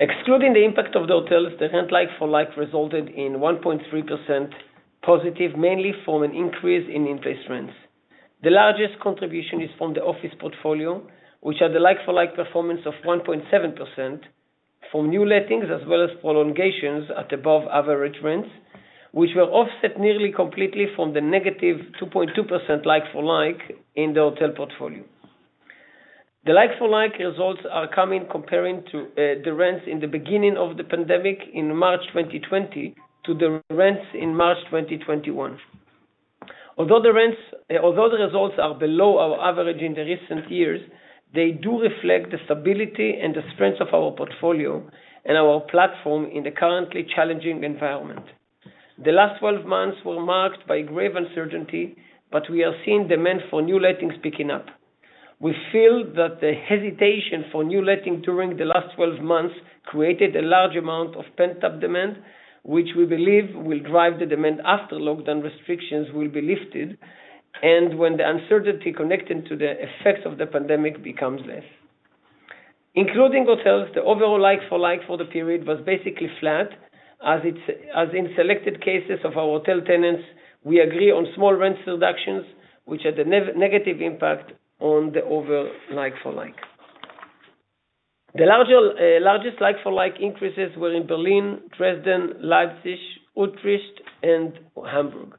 Excluding the impact of the hotels, the rent like-for-like resulted in 1.3% positive, mainly for an increase in investments. The largest contribution is from the office portfolio, which had a like-for-like performance of 1.7% from new lettings as well as prolongations at above average rents, which were offset nearly completely from the negative 2.2% like-for-like in the hotel portfolio. The like-for-like results are coming comparing to the rents in the beginning of the pandemic in March 2020 to the rents in March 2021. Although the results are below our average in the recent years, they do reflect the stability and the strength of our portfolio and our platform in the currently challenging environment. The last 12 months were marked by grave uncertainty. We are seeing demand for new lettings picking up. We feel that the hesitation for new letting during the last 12 months created a large amount of pent-up demand, which we believe will drive the demand after lockdown restrictions will be lifted and when the uncertainty connected to the effect of the pandemic becomes less. Including hotels, the overall like-for-like for the period was basically flat, as in selected cases of our hotel tenants, we agree on small rent reductions, which had a negative impact on the overall like-for-like. The largest like-for-like increases were in Berlin, Dresden, Leipzig, Utrecht, and Hamburg.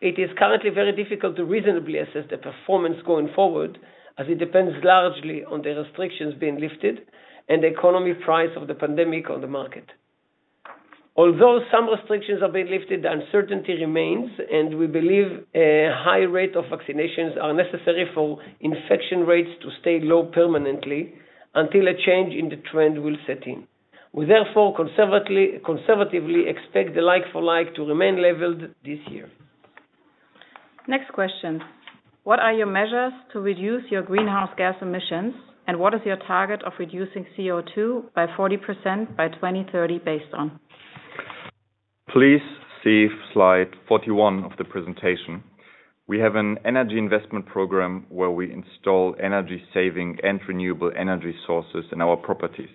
It is currently very difficult to reasonably assess the performance going forward, as it depends largely on the restrictions being lifted and the economic impact of the pandemic on the market. Although, some restrictions are being lifted, uncertainty remains, and we believe a high rate of vaccinations are necessary for infection rates to stay low permanently until a change in the trend will set in. We, therefore, conservatively expect the like-for-like to remain leveled this year. Next question. What are your measures to reduce your greenhouse gas emissions, and what is your target of reducing CO2 by 40% by 2030 based on? Please see slide 41 of the presentation. We have an energy-saving investment program where we install energy-saving and renewable energy sources in our properties.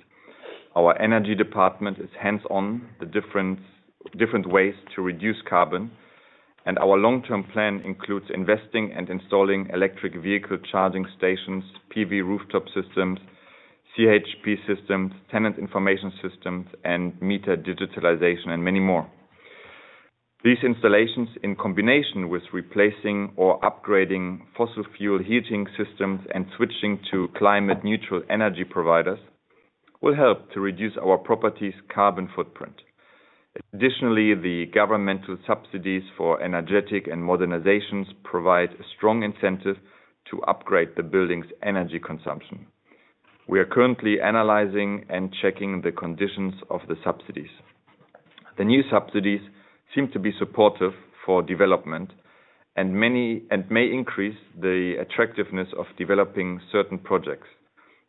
Our energy department is hands-on with different ways to reduce carbon, and our long-term plan includes investing and installing electric vehicle charging stations, PV rooftop systems, CHP systems, tenant information systems, and meter digitalization, and many more. These installations, in combination with replacing or upgrading fossil fuel heating systems and switching to climate-neutral energy providers, will help to reduce our property's carbon footprint. Additionally, the governmental subsidies for energetic and modernizations provide a strong incentive to upgrade the building's energy consumption. We are currently analyzing and checking the conditions of the subsidies. The new subsidies seem to be supportive for development and may increase the attractiveness of developing certain projects.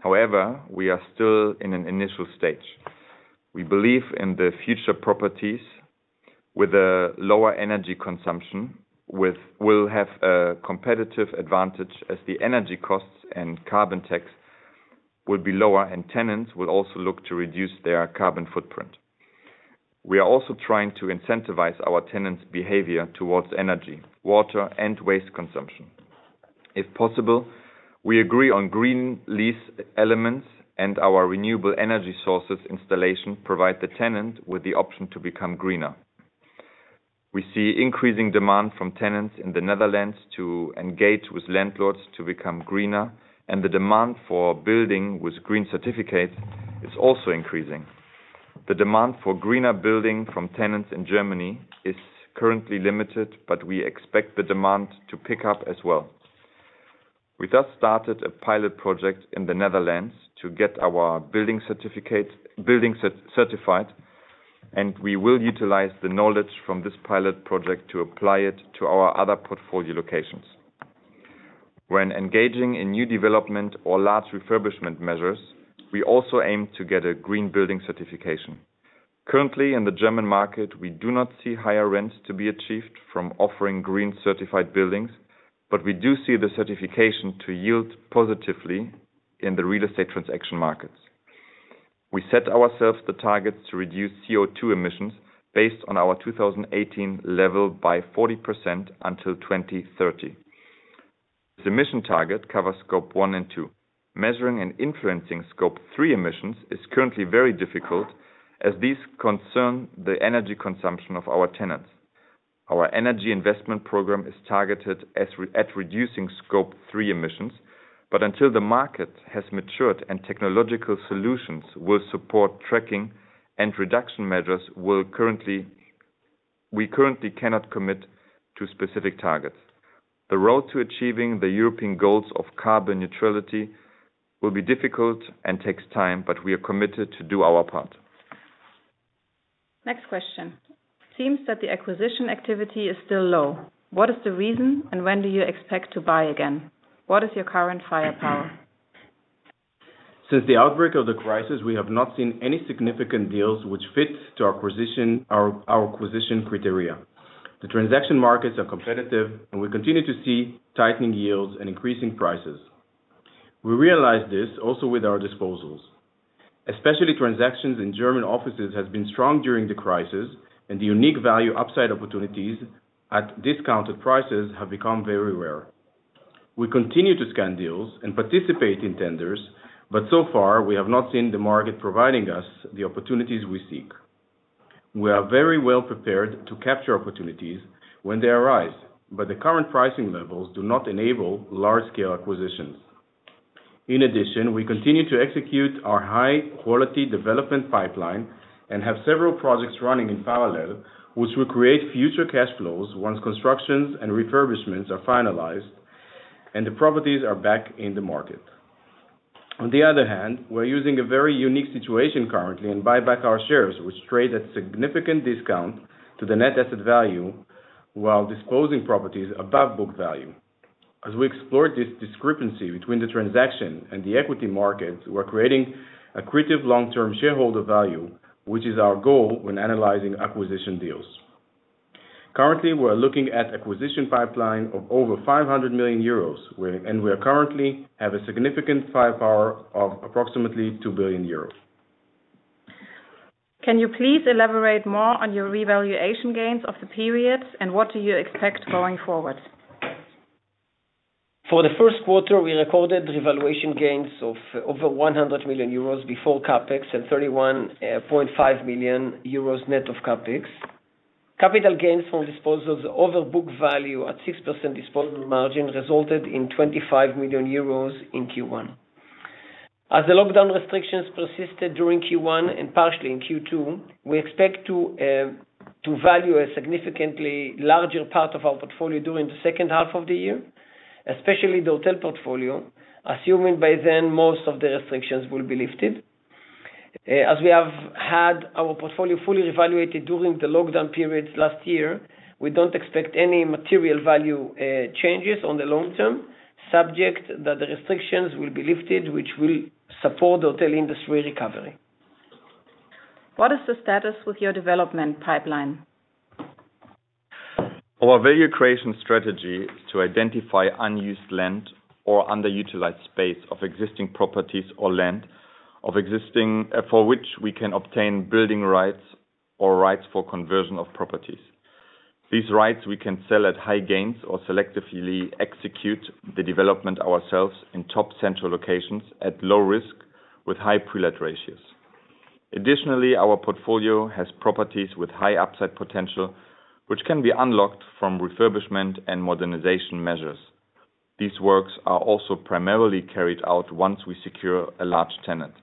However, we are still in an initial stage. We believe in the future, properties with a lower energy consumption will have a competitive advantage as the energy costs and carbon tax will be lower, and tenants will also look to reduce their carbon footprint. We are also trying to incentivize our tenants' behavior towards energy, water, and waste consumption. If possible, we agree on green lease elements, and our renewable energy sources installation provide the tenant with the option to become greener. We see increasing demand from tenants in the Netherlands to engage with landlords to become greener, and the demand for building with green certificates is also increasing. The demand for greener building from tenants in Germany is currently limited, but we expect the demand to pick up as well. We just started a pilot project in the Netherlands to get our buildings certificate- buildings certified, and we will utilize the knowledge from this pilot project to apply it to our other portfolio locations. When engaging in new development or large refurbishment measures, we also aim to get a green building certification. Currently, in the German market, we do not see higher rents to be achieved from offering green certified buildings, but we do see the certification to yield positively in the real estate transaction markets. We set ourselves the target to reduce CO2 emissions based on our 2018 level by 40% until 2030. The emission target covers Scope 1 and 2. Measuring and influencing Scope 3 emissions is currently very difficult as these concern the energy consumption of our tenants. Our energy investment program is targeted at reducing Scope 3 emissions, but until the market has matured and technological solutions will support tracking and reduction measures, we currently- we currently cannot commit to specific targets. The road to achieving the European goals of carbon neutrality will be difficult and take time, but we are committed to do our part. Next question. Seems that the acquisition activity is still low. What is the reason, and when do you expect to buy again? What is your current firepower? Since the outbreak of the crisis, we have not seen any significant deals which fit our acquisition criteria. The transaction markets are competitive, and we continue to see tightening yields and increasing prices. We realize this also with our disposals. Especially transactions in German offices have been strong during the crisis, and the unique value upside opportunities at discounted prices have become very rare. We continue to scan deals and participate in tenders, but so far, we have not seen the market providing us the opportunities we seek. We are very well prepared to capture opportunities when they arise, but the current pricing levels do not enable large scale acquisitions. In addition, we continue to execute our high quality development pipeline and have several projects running in parallel, which will create future cash flows once constructions and refurbishments are finalized and the properties are back in the market. On the other hand, we're using a very unique situation currently and buy back our shares, which trade at significant discount to the net asset value while disposing properties above book value. As we explore this discrepancy between the transaction and the equity markets, we're creating accretive long-term shareholder value, which is our goal when analyzing acquisition deals. Currently, we are looking at acquisition pipeline of over 500 million euros, and we currently have a significant firepower of approximately 2 billion euros. Can you please elaborate more on your revaluation gains of the periods, and what do you expect going forward? For the first quarter, we recorded revaluation gains of over 100 million euros before CapEx and 31.5 million euros net of CapEx. Capital gains from disposals over book value at 6% disposal margins resulted in 25 million euros in Q1. The lockdown restrictions persisted during Q1 and partially in Q2, we expect to value a significantly larger part of our portfolio during the second half of the year, especially the hotel portfolio, assuming by then most of the restrictions will be lifted. We have had our portfolio fully evaluated during the lockdown periods last year, we don't expect any material value changes on the long term, subject that the restrictions will be lifted, which will support the hotel industry recovery. What is the status with your development pipeline? Our value creation strategy is to identify unused land or underutilized space of existing properties or land of existing- for which we can obtain building rights or rights for conversion of properties. These rights we can sell at high gains or selectively execute the development ourselves in top central locations at low risk with high pre-let ratios. Additionally, our portfolio has properties with high upside potential, which can be unlocked from refurbishment and modernization measures. These works are also primarily carried out once we secure a large tenant.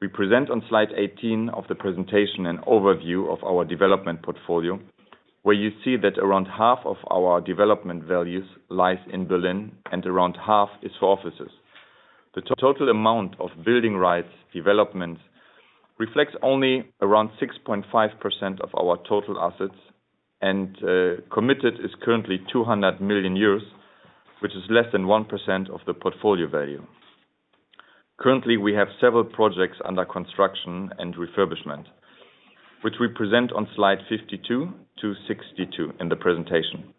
We present on slide 18 of the presentation an overview of our development portfolio, where you see that around half of our development values lies in Berlin and around half is for offices. The total amount of building rights development reflects only around 6.5% of our total assets, and committed is currently 200 million euros, which is less than 1% of the portfolio value. Currently, we have several projects under construction and refurbishment, which we present on slide 52-62 in the presentation.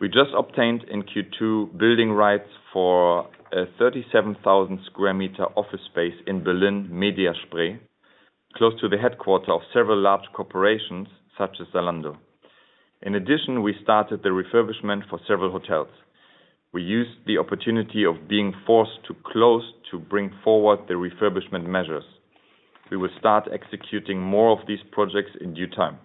We just obtained in Q2 building rights for a 37,000 sq m office space in Berlin, Mediaspree, close to the headquarter of several large corporations such as Zalando. In addition, we started the refurbishment for several hotels. We used the opportunity of being forced to close to bring forward the refurbishment measures. We will start executing more of these projects in due time.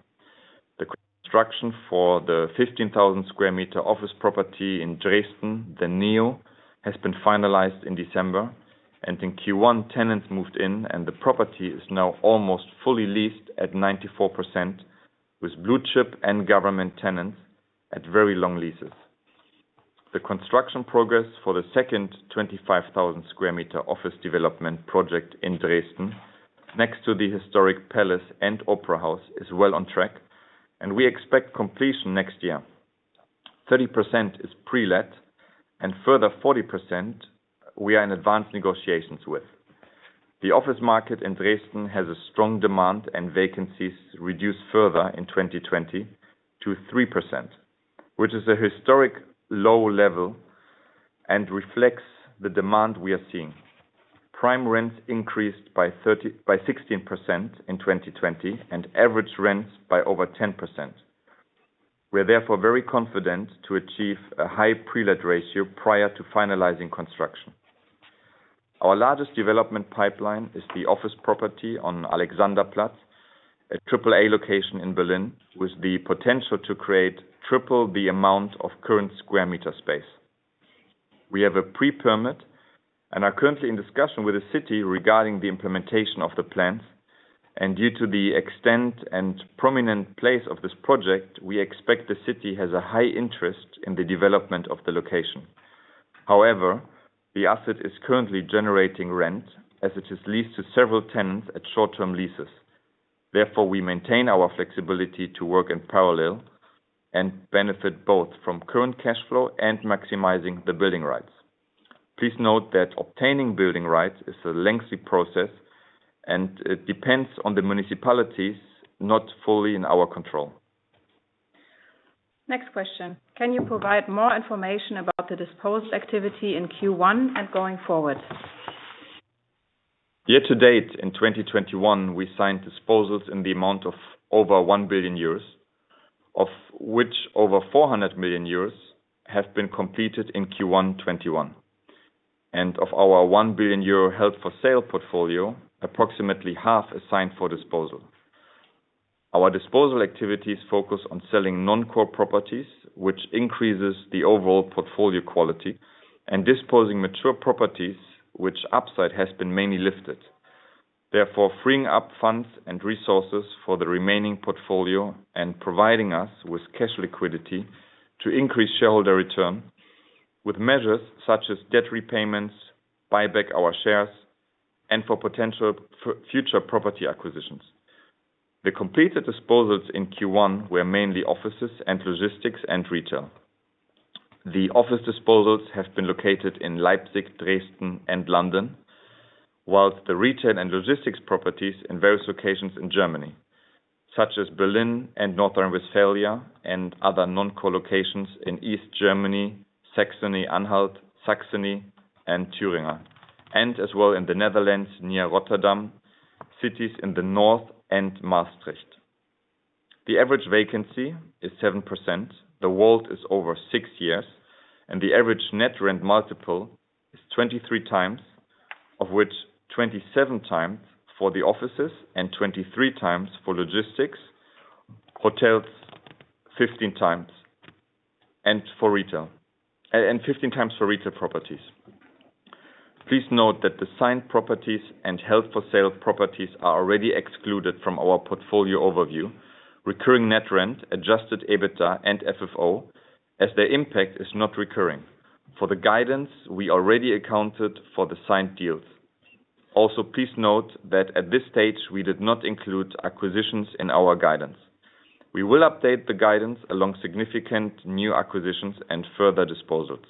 The construction for the 15,000 sq m office property in Dresden, THE NEO, has been finalized in December, and in Q1, tenants moved in, and the property is now almost fully leased at 94%, with blue-chip and government tenants at very long leases. The construction progress for the second 25,000 sq m office development project in Dresden, next to the historic palace and opera house, is well on track, and we expect completion next year. 30% is pre-let, and further 40% we are in advanced negotiations with. The office market in Dresden has a strong demand, and vacancies reduced further in 2020 to 3%, which is a historic low level and reflects the demand we are seeing. Prime rents increased by 16% in 2020 and average rents by over 10%. We are therefore very confident to achieve a high pre-let ratio prior to finalizing construction. Our largest development pipeline is the office property on Alexanderplatz, a triple A location in Berlin, with the potential to create triple the amount of current square meter space. We have a pre-permit and are currently in discussion with the city regarding the implementation of the plans, and due to the extent and prominent place of this project, we expect the city has a high interest in the development of the location. However, the asset is currently generating rent as it is leased to several tenants at short-term leases. Therefore, we maintain our flexibility to work in parallel and benefit both from current cash flow and maximizing the building rights. Please note that obtaining building rights is a lengthy process, and it depends on the municipalities not fully in our control. Next question. Can you provide more information about the disposed activity in Q1 and going forward? Year-to-date in 2021, we signed disposals in the amount of over 1 billion euros, of which over 400 million euros have been completed in Q1 2021. And of our 1 billion euro held for sale portfolio, approximately half is signed for disposal. Our disposal activities focus on selling non-core properties, which increases the overall portfolio quality, and disposing mature properties which upside has been mainly lifted. Therefore, freeing up funds and resources for the remaining portfolio and providing us with cash liquidity to increase shareholder return with measures such as debt repayments, buy back our shares, and for potential future property acquisitions. The completed disposals in Q1 were mainly offices and logistics and retail. The office disposals have been located in Leipzig, Dresden, and London, while the retail and logistics properties in various locations in Germany, such as Berlin and North Rhine-Westphalia, and other non-core locations in East Germany, Saxony-Anhalt, Saxony, and Thuringia, and as well in the Netherlands, near Rotterdam, cities in the north, and Maastricht. The average vacancy is 7%, the weight is over six years, and the average net rent multiple is 23x, of which 27x for the offices and 23x for logistics, hotels 15x, and for retail- and 15x for retail properties. Please note that the signed properties and held-for-sale properties are already excluded from our portfolio overview, recurring net rent, adjusted EBITDA, and FFO, as their impact is not recurring. For the guidance, we already accounted for the signed deals. Also please note that at this stage, we did not include acquisitions in our guidance. We will update the guidance along significant new acquisitions and further disposals.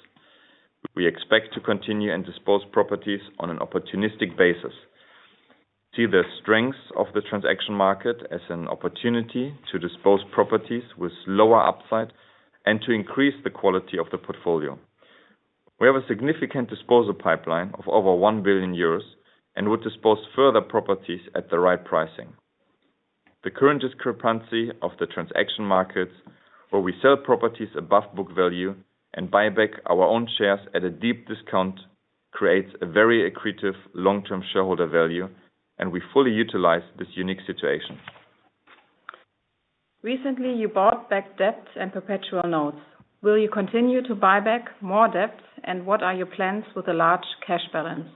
We expect to continue and dispose properties on an opportunistic basis. We see the strength of the transaction market as an opportunity to dispose properties with lower upside and to increase the quality of the portfolio. We have a significant disposal pipeline of over 1 billion euros and will dispose further properties at the right pricing. The current discrepancy of the transaction markets, where we sell properties above book value and buy back our own shares at a deep discount, creates a very accretive long-term shareholder value, and we fully utilize this unique situation. Recently, you bought back debt and perpetual notes. Will you continue to buy back more debt, and what are your plans with the large cash balance?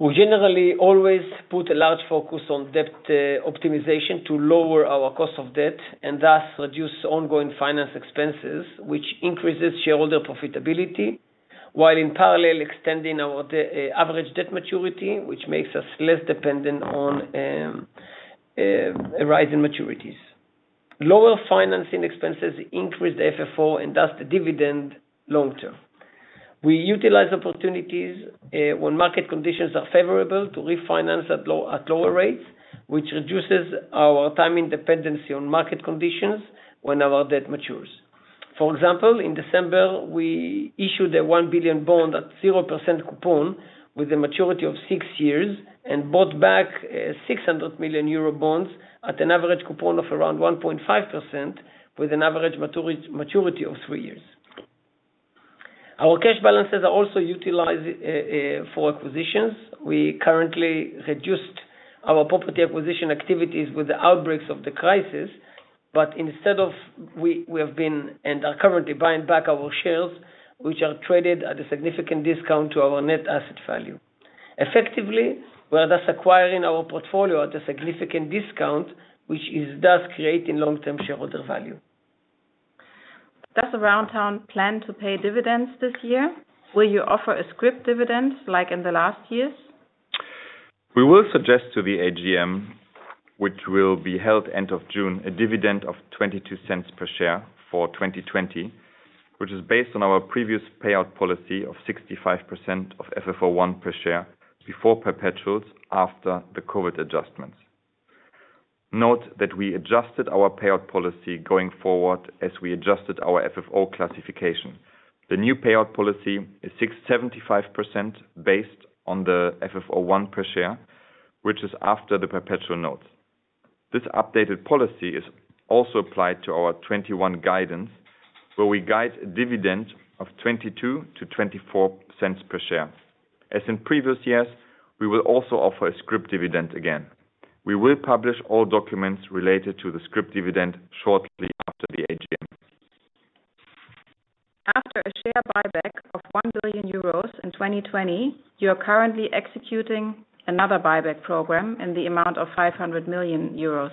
We generally always put a large focus on debt optimization to lower our cost of debt, and thus reduce ongoing finance expenses, which increases shareholder profitability, while in parallel extending our average debt maturity, which makes us less dependent on rising maturities. Lower financing expenses increase the FFO, and thus the dividend long term. We utilize opportunities when market conditions are favorable to refinance at lower rates, which reduces our time dependency on market conditions when our debt matures. For example, in December, we issued a 1 billion bond at 0% coupon with a maturity of six years and bought back 600 million euro bonds at an average coupon of around 1.5% with an average maturity of three years. Our cash balances are also utilized for acquisitions. We currently reduced our property acquisition activities with the outbreaks of the crisis. But instead, we have been, and are currently buying back our shares, which are traded at a significant discount to our net asset value. Effectively, we are thus acquiring our portfolio at a significant discount, which is thus creating long-term shareholder value. Does Aroundtown plan to pay dividends this year? Will you offer a scrip dividend like in the last years? We will suggest to the AGM, which will be held end of June, a dividend of 0.22 per share for 2020, which is based on our previous payout policy of 65% of FFO I per share before perpetuals after the COVID-19 adjustments. Note that we adjusted our payout policy going forward as we adjusted our FFO classification. The new payout policy is 75% based on the FFO I per share, which is after the perpetual notes. This updated policy is also applied to our 2021 guidance, where we guide a dividend of 0.22-0.24 per share. In previous years, we will also offer a scrip dividend again. We will publish all documents related to the scrip dividend shortly after the AGM. After a share buyback of 1 billion euros in 2020, you are currently executing another buyback program in the amount of 500 million euros.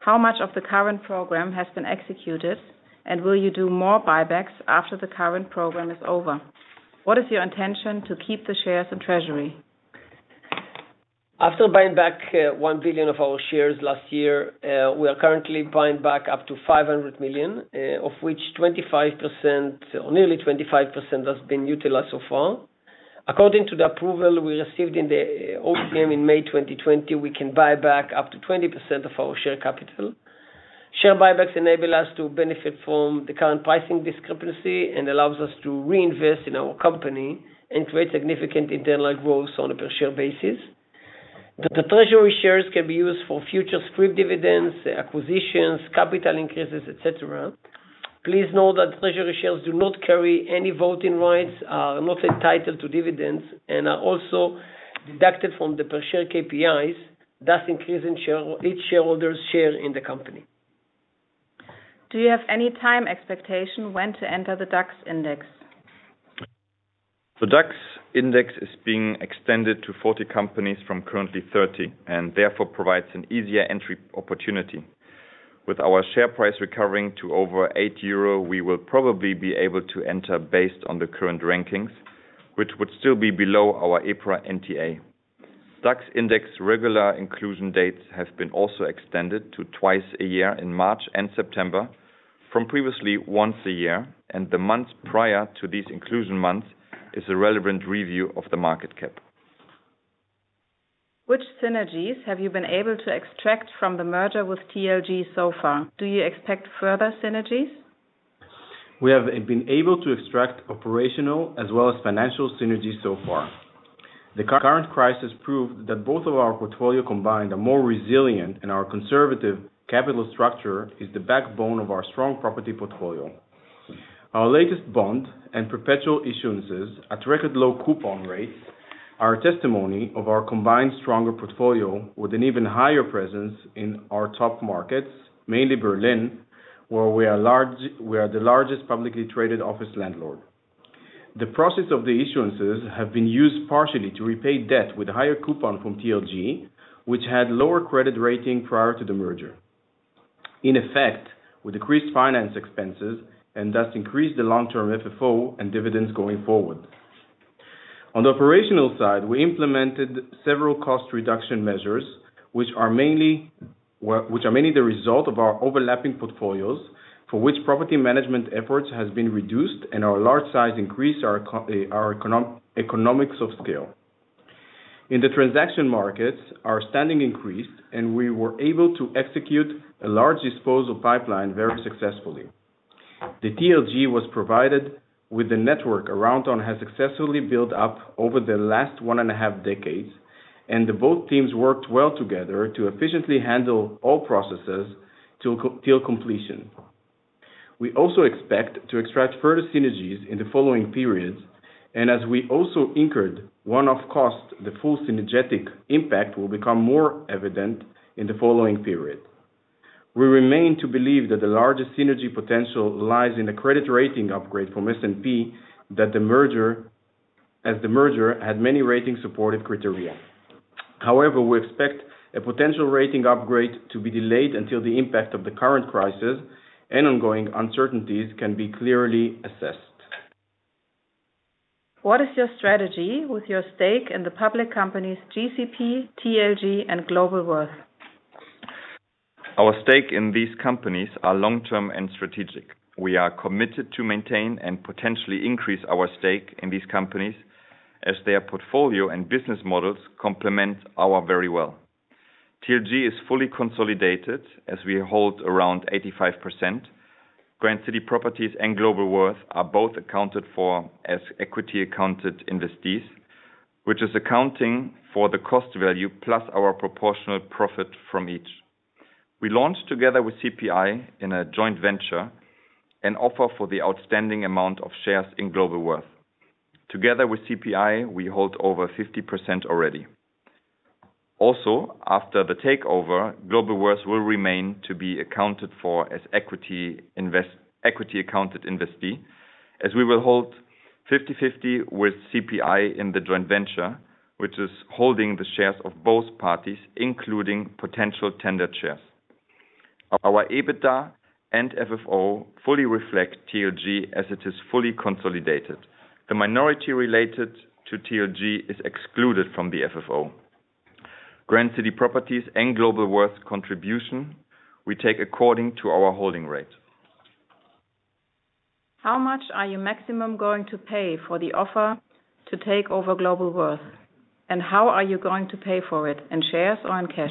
How much of the current program has been executed, and will you do more buybacks after the current program is over? What is your intention to keep the shares in treasury? After buying back 1 billion of our shares last year, we are currently buying back up to 500 million, of which nearly 25% has been utilized so far. According to the approval we received in the AGM in May 2020, we can buy back up to 20% of our share capital. Share buybacks enable us to benefit from the current pricing discrepancy and allows us to reinvest in our company and create significant internal growth on a per share basis. The treasury shares can be used for future scrip dividends, acquisitions, capital increases, et cetera. Please note that treasury shares do not carry any voting rights, are not entitled to dividends, and are also deducted from the per share KPIs, thus increasing each shareholder's share in the company. Do you have any time expectation when to enter the DAX Index? The DAX Index is being extended to 40 companies from currently 30, and therefore provides an easier entry opportunity. With our share price recovering to over 8 euro, we will probably be able to enter based on the current rankings, which would still be below our April NTA. STOXX Index regular inclusion dates have been also extended to twice a year in March and September from previously once a year, and the month prior to these inclusion months is a relevant review of the market cap. Which synergies have you been able to extract from the merger with TLG so far? Do you expect further synergies? We have been able to extract operational as well as financial synergies so far. The current crisis proved that both of our portfolio combined are more resilient, and our conservative capital structure is the backbone of our strong property portfolio. Our latest bond and perpetual issuances at record low coupon rates are testimony of our combined stronger portfolio with an even higher presence in our top markets, mainly Berlin, where we are the largest publicly traded office landlord. The process of the issuances have been used partially to repay debt with higher coupon from TLG, which had lower credit rating prior to the merger. In effect, we decreased finance expenses and thus increased the long-term FFO and dividends going forward. On the operational side, we implemented several cost reduction measures, which are mainly- which are mainly the result of our overlapping portfolios, for which property management efforts has been reduced and our large size increased our economics of scale. In the transaction markets, our standing increased, and we were able to execute a large disposal pipeline very successfully. The TLG was provided with the network Aroundtown has successfully built up over the last one and a half decades, and both teams worked well together to efficiently handle all processes till completion. We also expect to extract further synergies in the following periods, and as we also incurred one off cost, the full synergetic impact will become more evident in the following period. We remain to believe that the largest synergy potential lies in a credit rating upgrade from S&P that the merger- as the merger had many rating supported criteria. However, we expect a potential rating upgrade to be delayed until the impact of the current crisis and ongoing uncertainties can be clearly assessed. What is your strategy with your stake in the public companies GCP, TLG, and Globalworth? Our stake in these companies are long-term and strategic. We are committed to maintain and potentially increase our stake in these companies as their portfolio and business models complement ours very well. TLG is fully consolidated as we hold around 85%. Grand City Properties and Globalworth are both accounted for as equity accounted investees, which is accounting for the cost value plus our proportional profit from each. We launched together with CPI in a joint venture an offer for the outstanding amount of shares in Globalworth. Together with CPI, we hold over 50% already. Also, after the takeover, Globalworth will remain to be accounted for as equity accounted investee, as we will hold 50-50 with CPI in the joint venture, which is holding the shares of both parties, including potential tender shares. Our EBITDA and FFO fully reflect TLG as it is fully consolidated. The minority related to TLG is excluded from the FFO. Grand City Properties and Globalworth contribution we take according to our holding rate. How much are you maximum going to pay for the offer to take over Globalworth? How are you going to pay for it, in shares or in cash?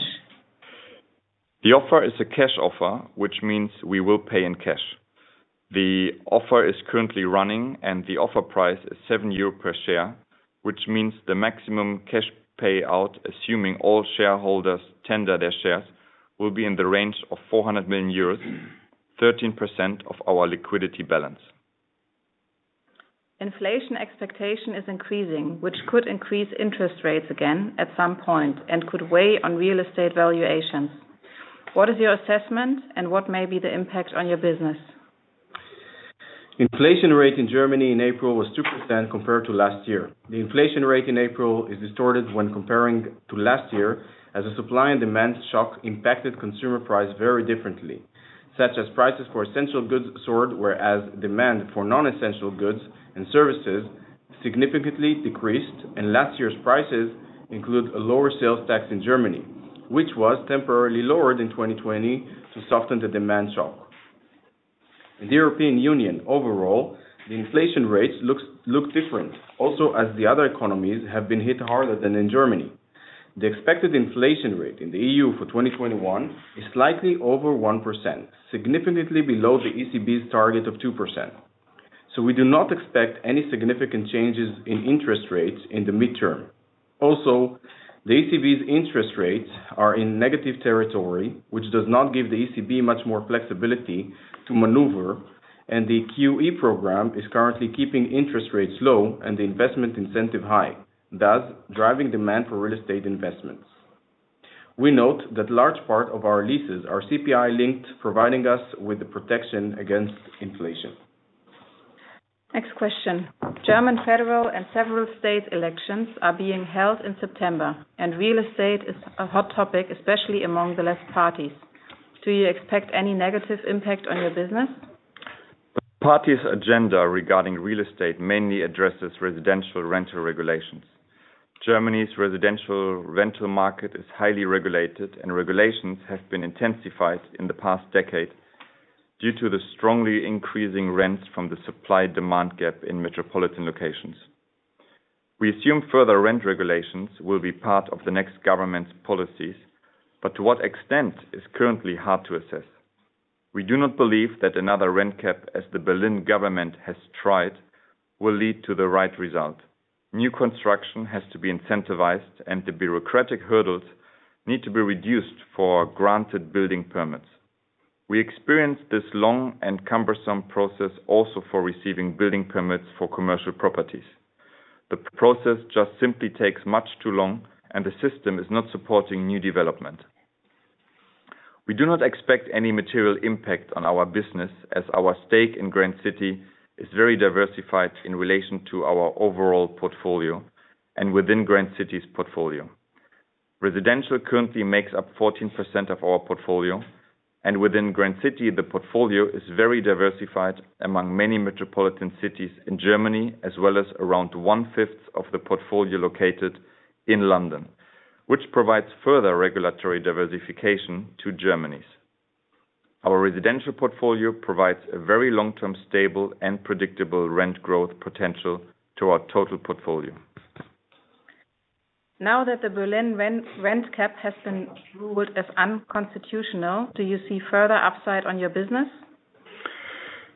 The offer is a cash offer, which means we will pay in cash. The offer is currently running, and the offer price is 7 euro per share, which means the maximum cash payout, assuming all shareholders tender their shares, will be in the range of 400 million euros, 13% of our liquidity balance. Inflation expectation is increasing, which could increase interest rates again at some point and could weigh on real estate valuations. What is your assessment and what may be the impact on your business? Inflation rate in Germany in April was 2% compared to last year. The inflation rate in April is distorted when comparing to last year, as the supply and demand shock impacted consumer price very differently, such as prices for essential goods soared, whereas demand for non-essential goods and services significantly decreased, and last year's prices include a lower sales tax in Germany, which was temporarily lowered in 2020 to soften the demand shock. In the European Union overall, the inflation rates look different. As the other economies have been hit harder than in Germany. The expected inflation rate in the EU for 2021 is slightly over 1%, significantly below the ECB's target of 2%. We do not expect any significant changes in interest rates in the mid-term. Also, the ECB's interest rates are in negative territory, which does not give the ECB much more flexibility to maneuver, and the QE program is currently keeping interest rates low and the investment incentive high, thus driving demand for real estate investments. We note that large part of our leases are CPI linked, providing us with the protection against inflation. Next question. German federal and several state elections are being held in September, and real estate is a hot topic, especially among the left parties. Do you expect any negative impact on your business? Party's agenda regarding real estate mainly addresses residential rental regulations. Germany's residential rental market is highly regulated, and regulations have been intensified in the past decade due to the strongly increasing rents from the supply-demand gap in metropolitan locations. We assume further rent regulations will be part of the next government's policies, but to what extent is currently hard to assess. We do not believe that another rent cap, as the Berlin government has tried, will lead to the right result. New construction has to be incentivized, and the bureaucratic hurdles need to be reduced for granted building permits. We experience this long and cumbersome process also for receiving building permits for commercial properties. The process just simply takes much too long, and the system is not supporting new development. We do not expect any material impact on our business as our stake in Grand City is very diversified in relation to our overall portfolio and within Grand City's portfolio. Residential currently makes up 14% of our portfolio, and within Grand City, the portfolio is very diversified among many metropolitan cities in Germany, as well as around 1/5 of the portfolio located in London, which provides further regulatory diversification to Germany. Our residential portfolio provides a very long-term, stable, and predictable rent growth potential to our total portfolio. Now that the Berlin rent cap has been ruled as unconstitutional, do you see further upside on your business?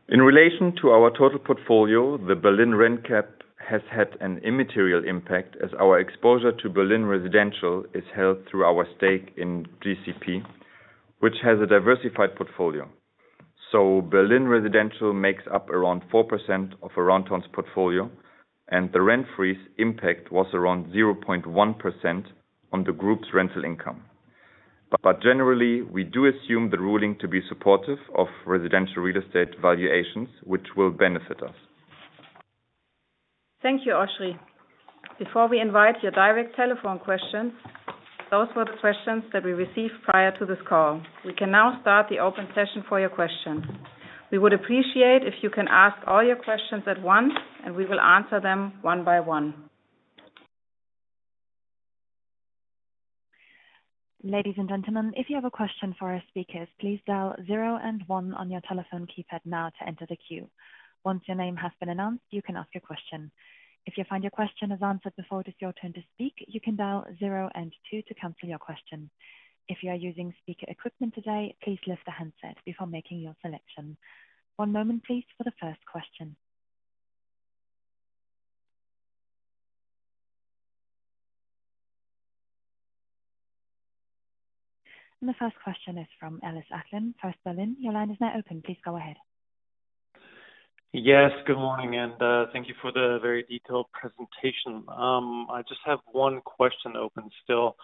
In relation to our total portfolio, the Berlin rent cap has had an immaterial impact as our exposure to Berlin residential is held through our stake in GCP, which has a diversified portfolio. Berlin residential makes up around 4% of Aroundtown's portfolio, and the rent freeze impact was around 0.1% on the group's rental income. But generally, we do assume the ruling to be supportive of residential real estate valuations, which will benefit us. Thank you, Oschrie. Before we invite your direct telephone questions, those were the questions that we received prior to this call. We can now start the open session for your questions. We would appreciate if you can ask all your questions at once, and we will answer them one by one. Ladies and gentlemen, if you have a question for our speakers, please dial zero and one on your telephone keypad now to enter the queue. Once your name has been announced, you can ask your question. If you find your question has answered before it is your turn to speak, you can dial zero and two to cancel your question. If you are using speaker equipment today, please lift the handset before making your selection. One moment please for the first question. The first question is from Ellis Acklin, First Berlin. Your line is now open. Please go ahead. Yes, good morning, and thank you for the very detailed presentation. I just have one question open still.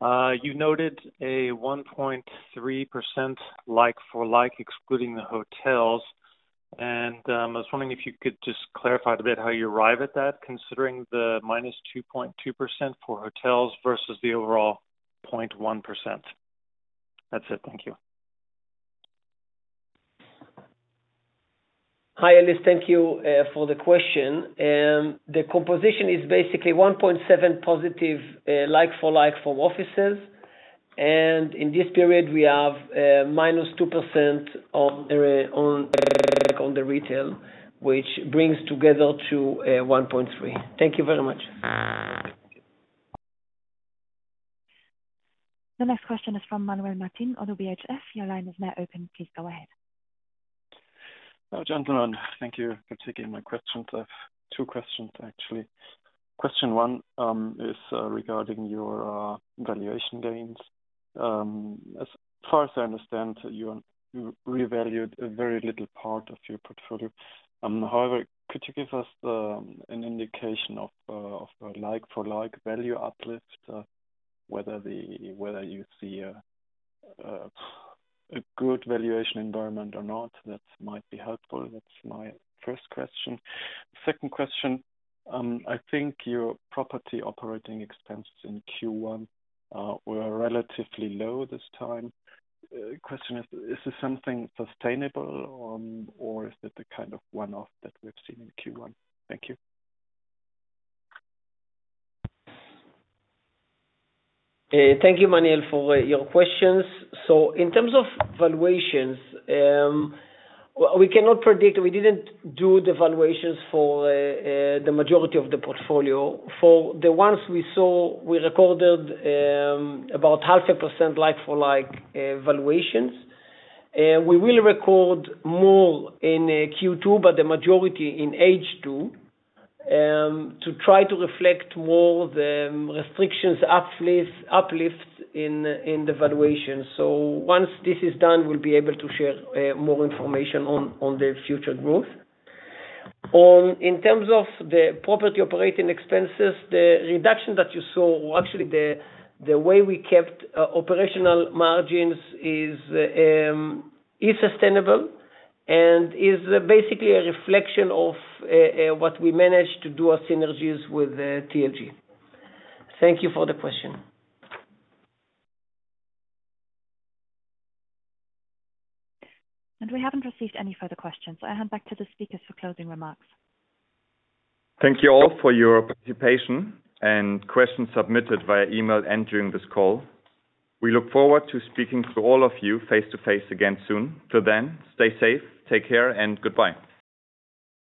You noted a 1.3% like-for-like excluding the hotels, and I was wondering if you could just clarify a bit how you arrive at that, considering the -2.2% for hotels versus the overall 0.1%. That's it. Thank you. Hi, Ellis. Thank you for the question. The composition is basically 1.7% positive like-for-like for offices. And in this period, we have -2% on the retail, which brings together to 1.3%. Thank you very much. The next question is from Manuel Martin of ODDO BHF. Your line is now open. Please go ahead. Gentlemen, thank you for taking my questions. I have two questions, actually. Question one is regarding your valuation gains. As far as I understand that you revalued a very little part of your portfolio. However, could you give us an indication of a like-for-like value uplift? Whether you see a good valuation environment or not, that might be helpful. That's my first question. Second question, I think your property operating expenses in Q1 were relatively low this time. Question is this something sustainable or is it the kind of one-off that we've seen in Q1? Thank you. Thank you, Manuel, for your questions. In terms of valuations, we cannot predict. We didn't do the valuations for the majority of the portfolio. For the ones we saw, we recorded about 0.5% like-for-like valuations. We will record more in Q2, but the majority in H2, to try to reflect more the restrictions uplifts in the valuation. Once this is done, we'll be able to share more information on the future growth. In terms of the property operating expenses, the reduction that you saw, actually the way we kept operational margins is sustainable and is basically a reflection of what we managed to do our synergies with TLG. Thank you for the question. We haven't received any further questions. I hand back to the speakers for closing remarks. Thank you all for your participation and questions submitted via email and during this call. We look forward to speaking to all of you face to face again soon. Until then, stay safe, take care, and goodbye.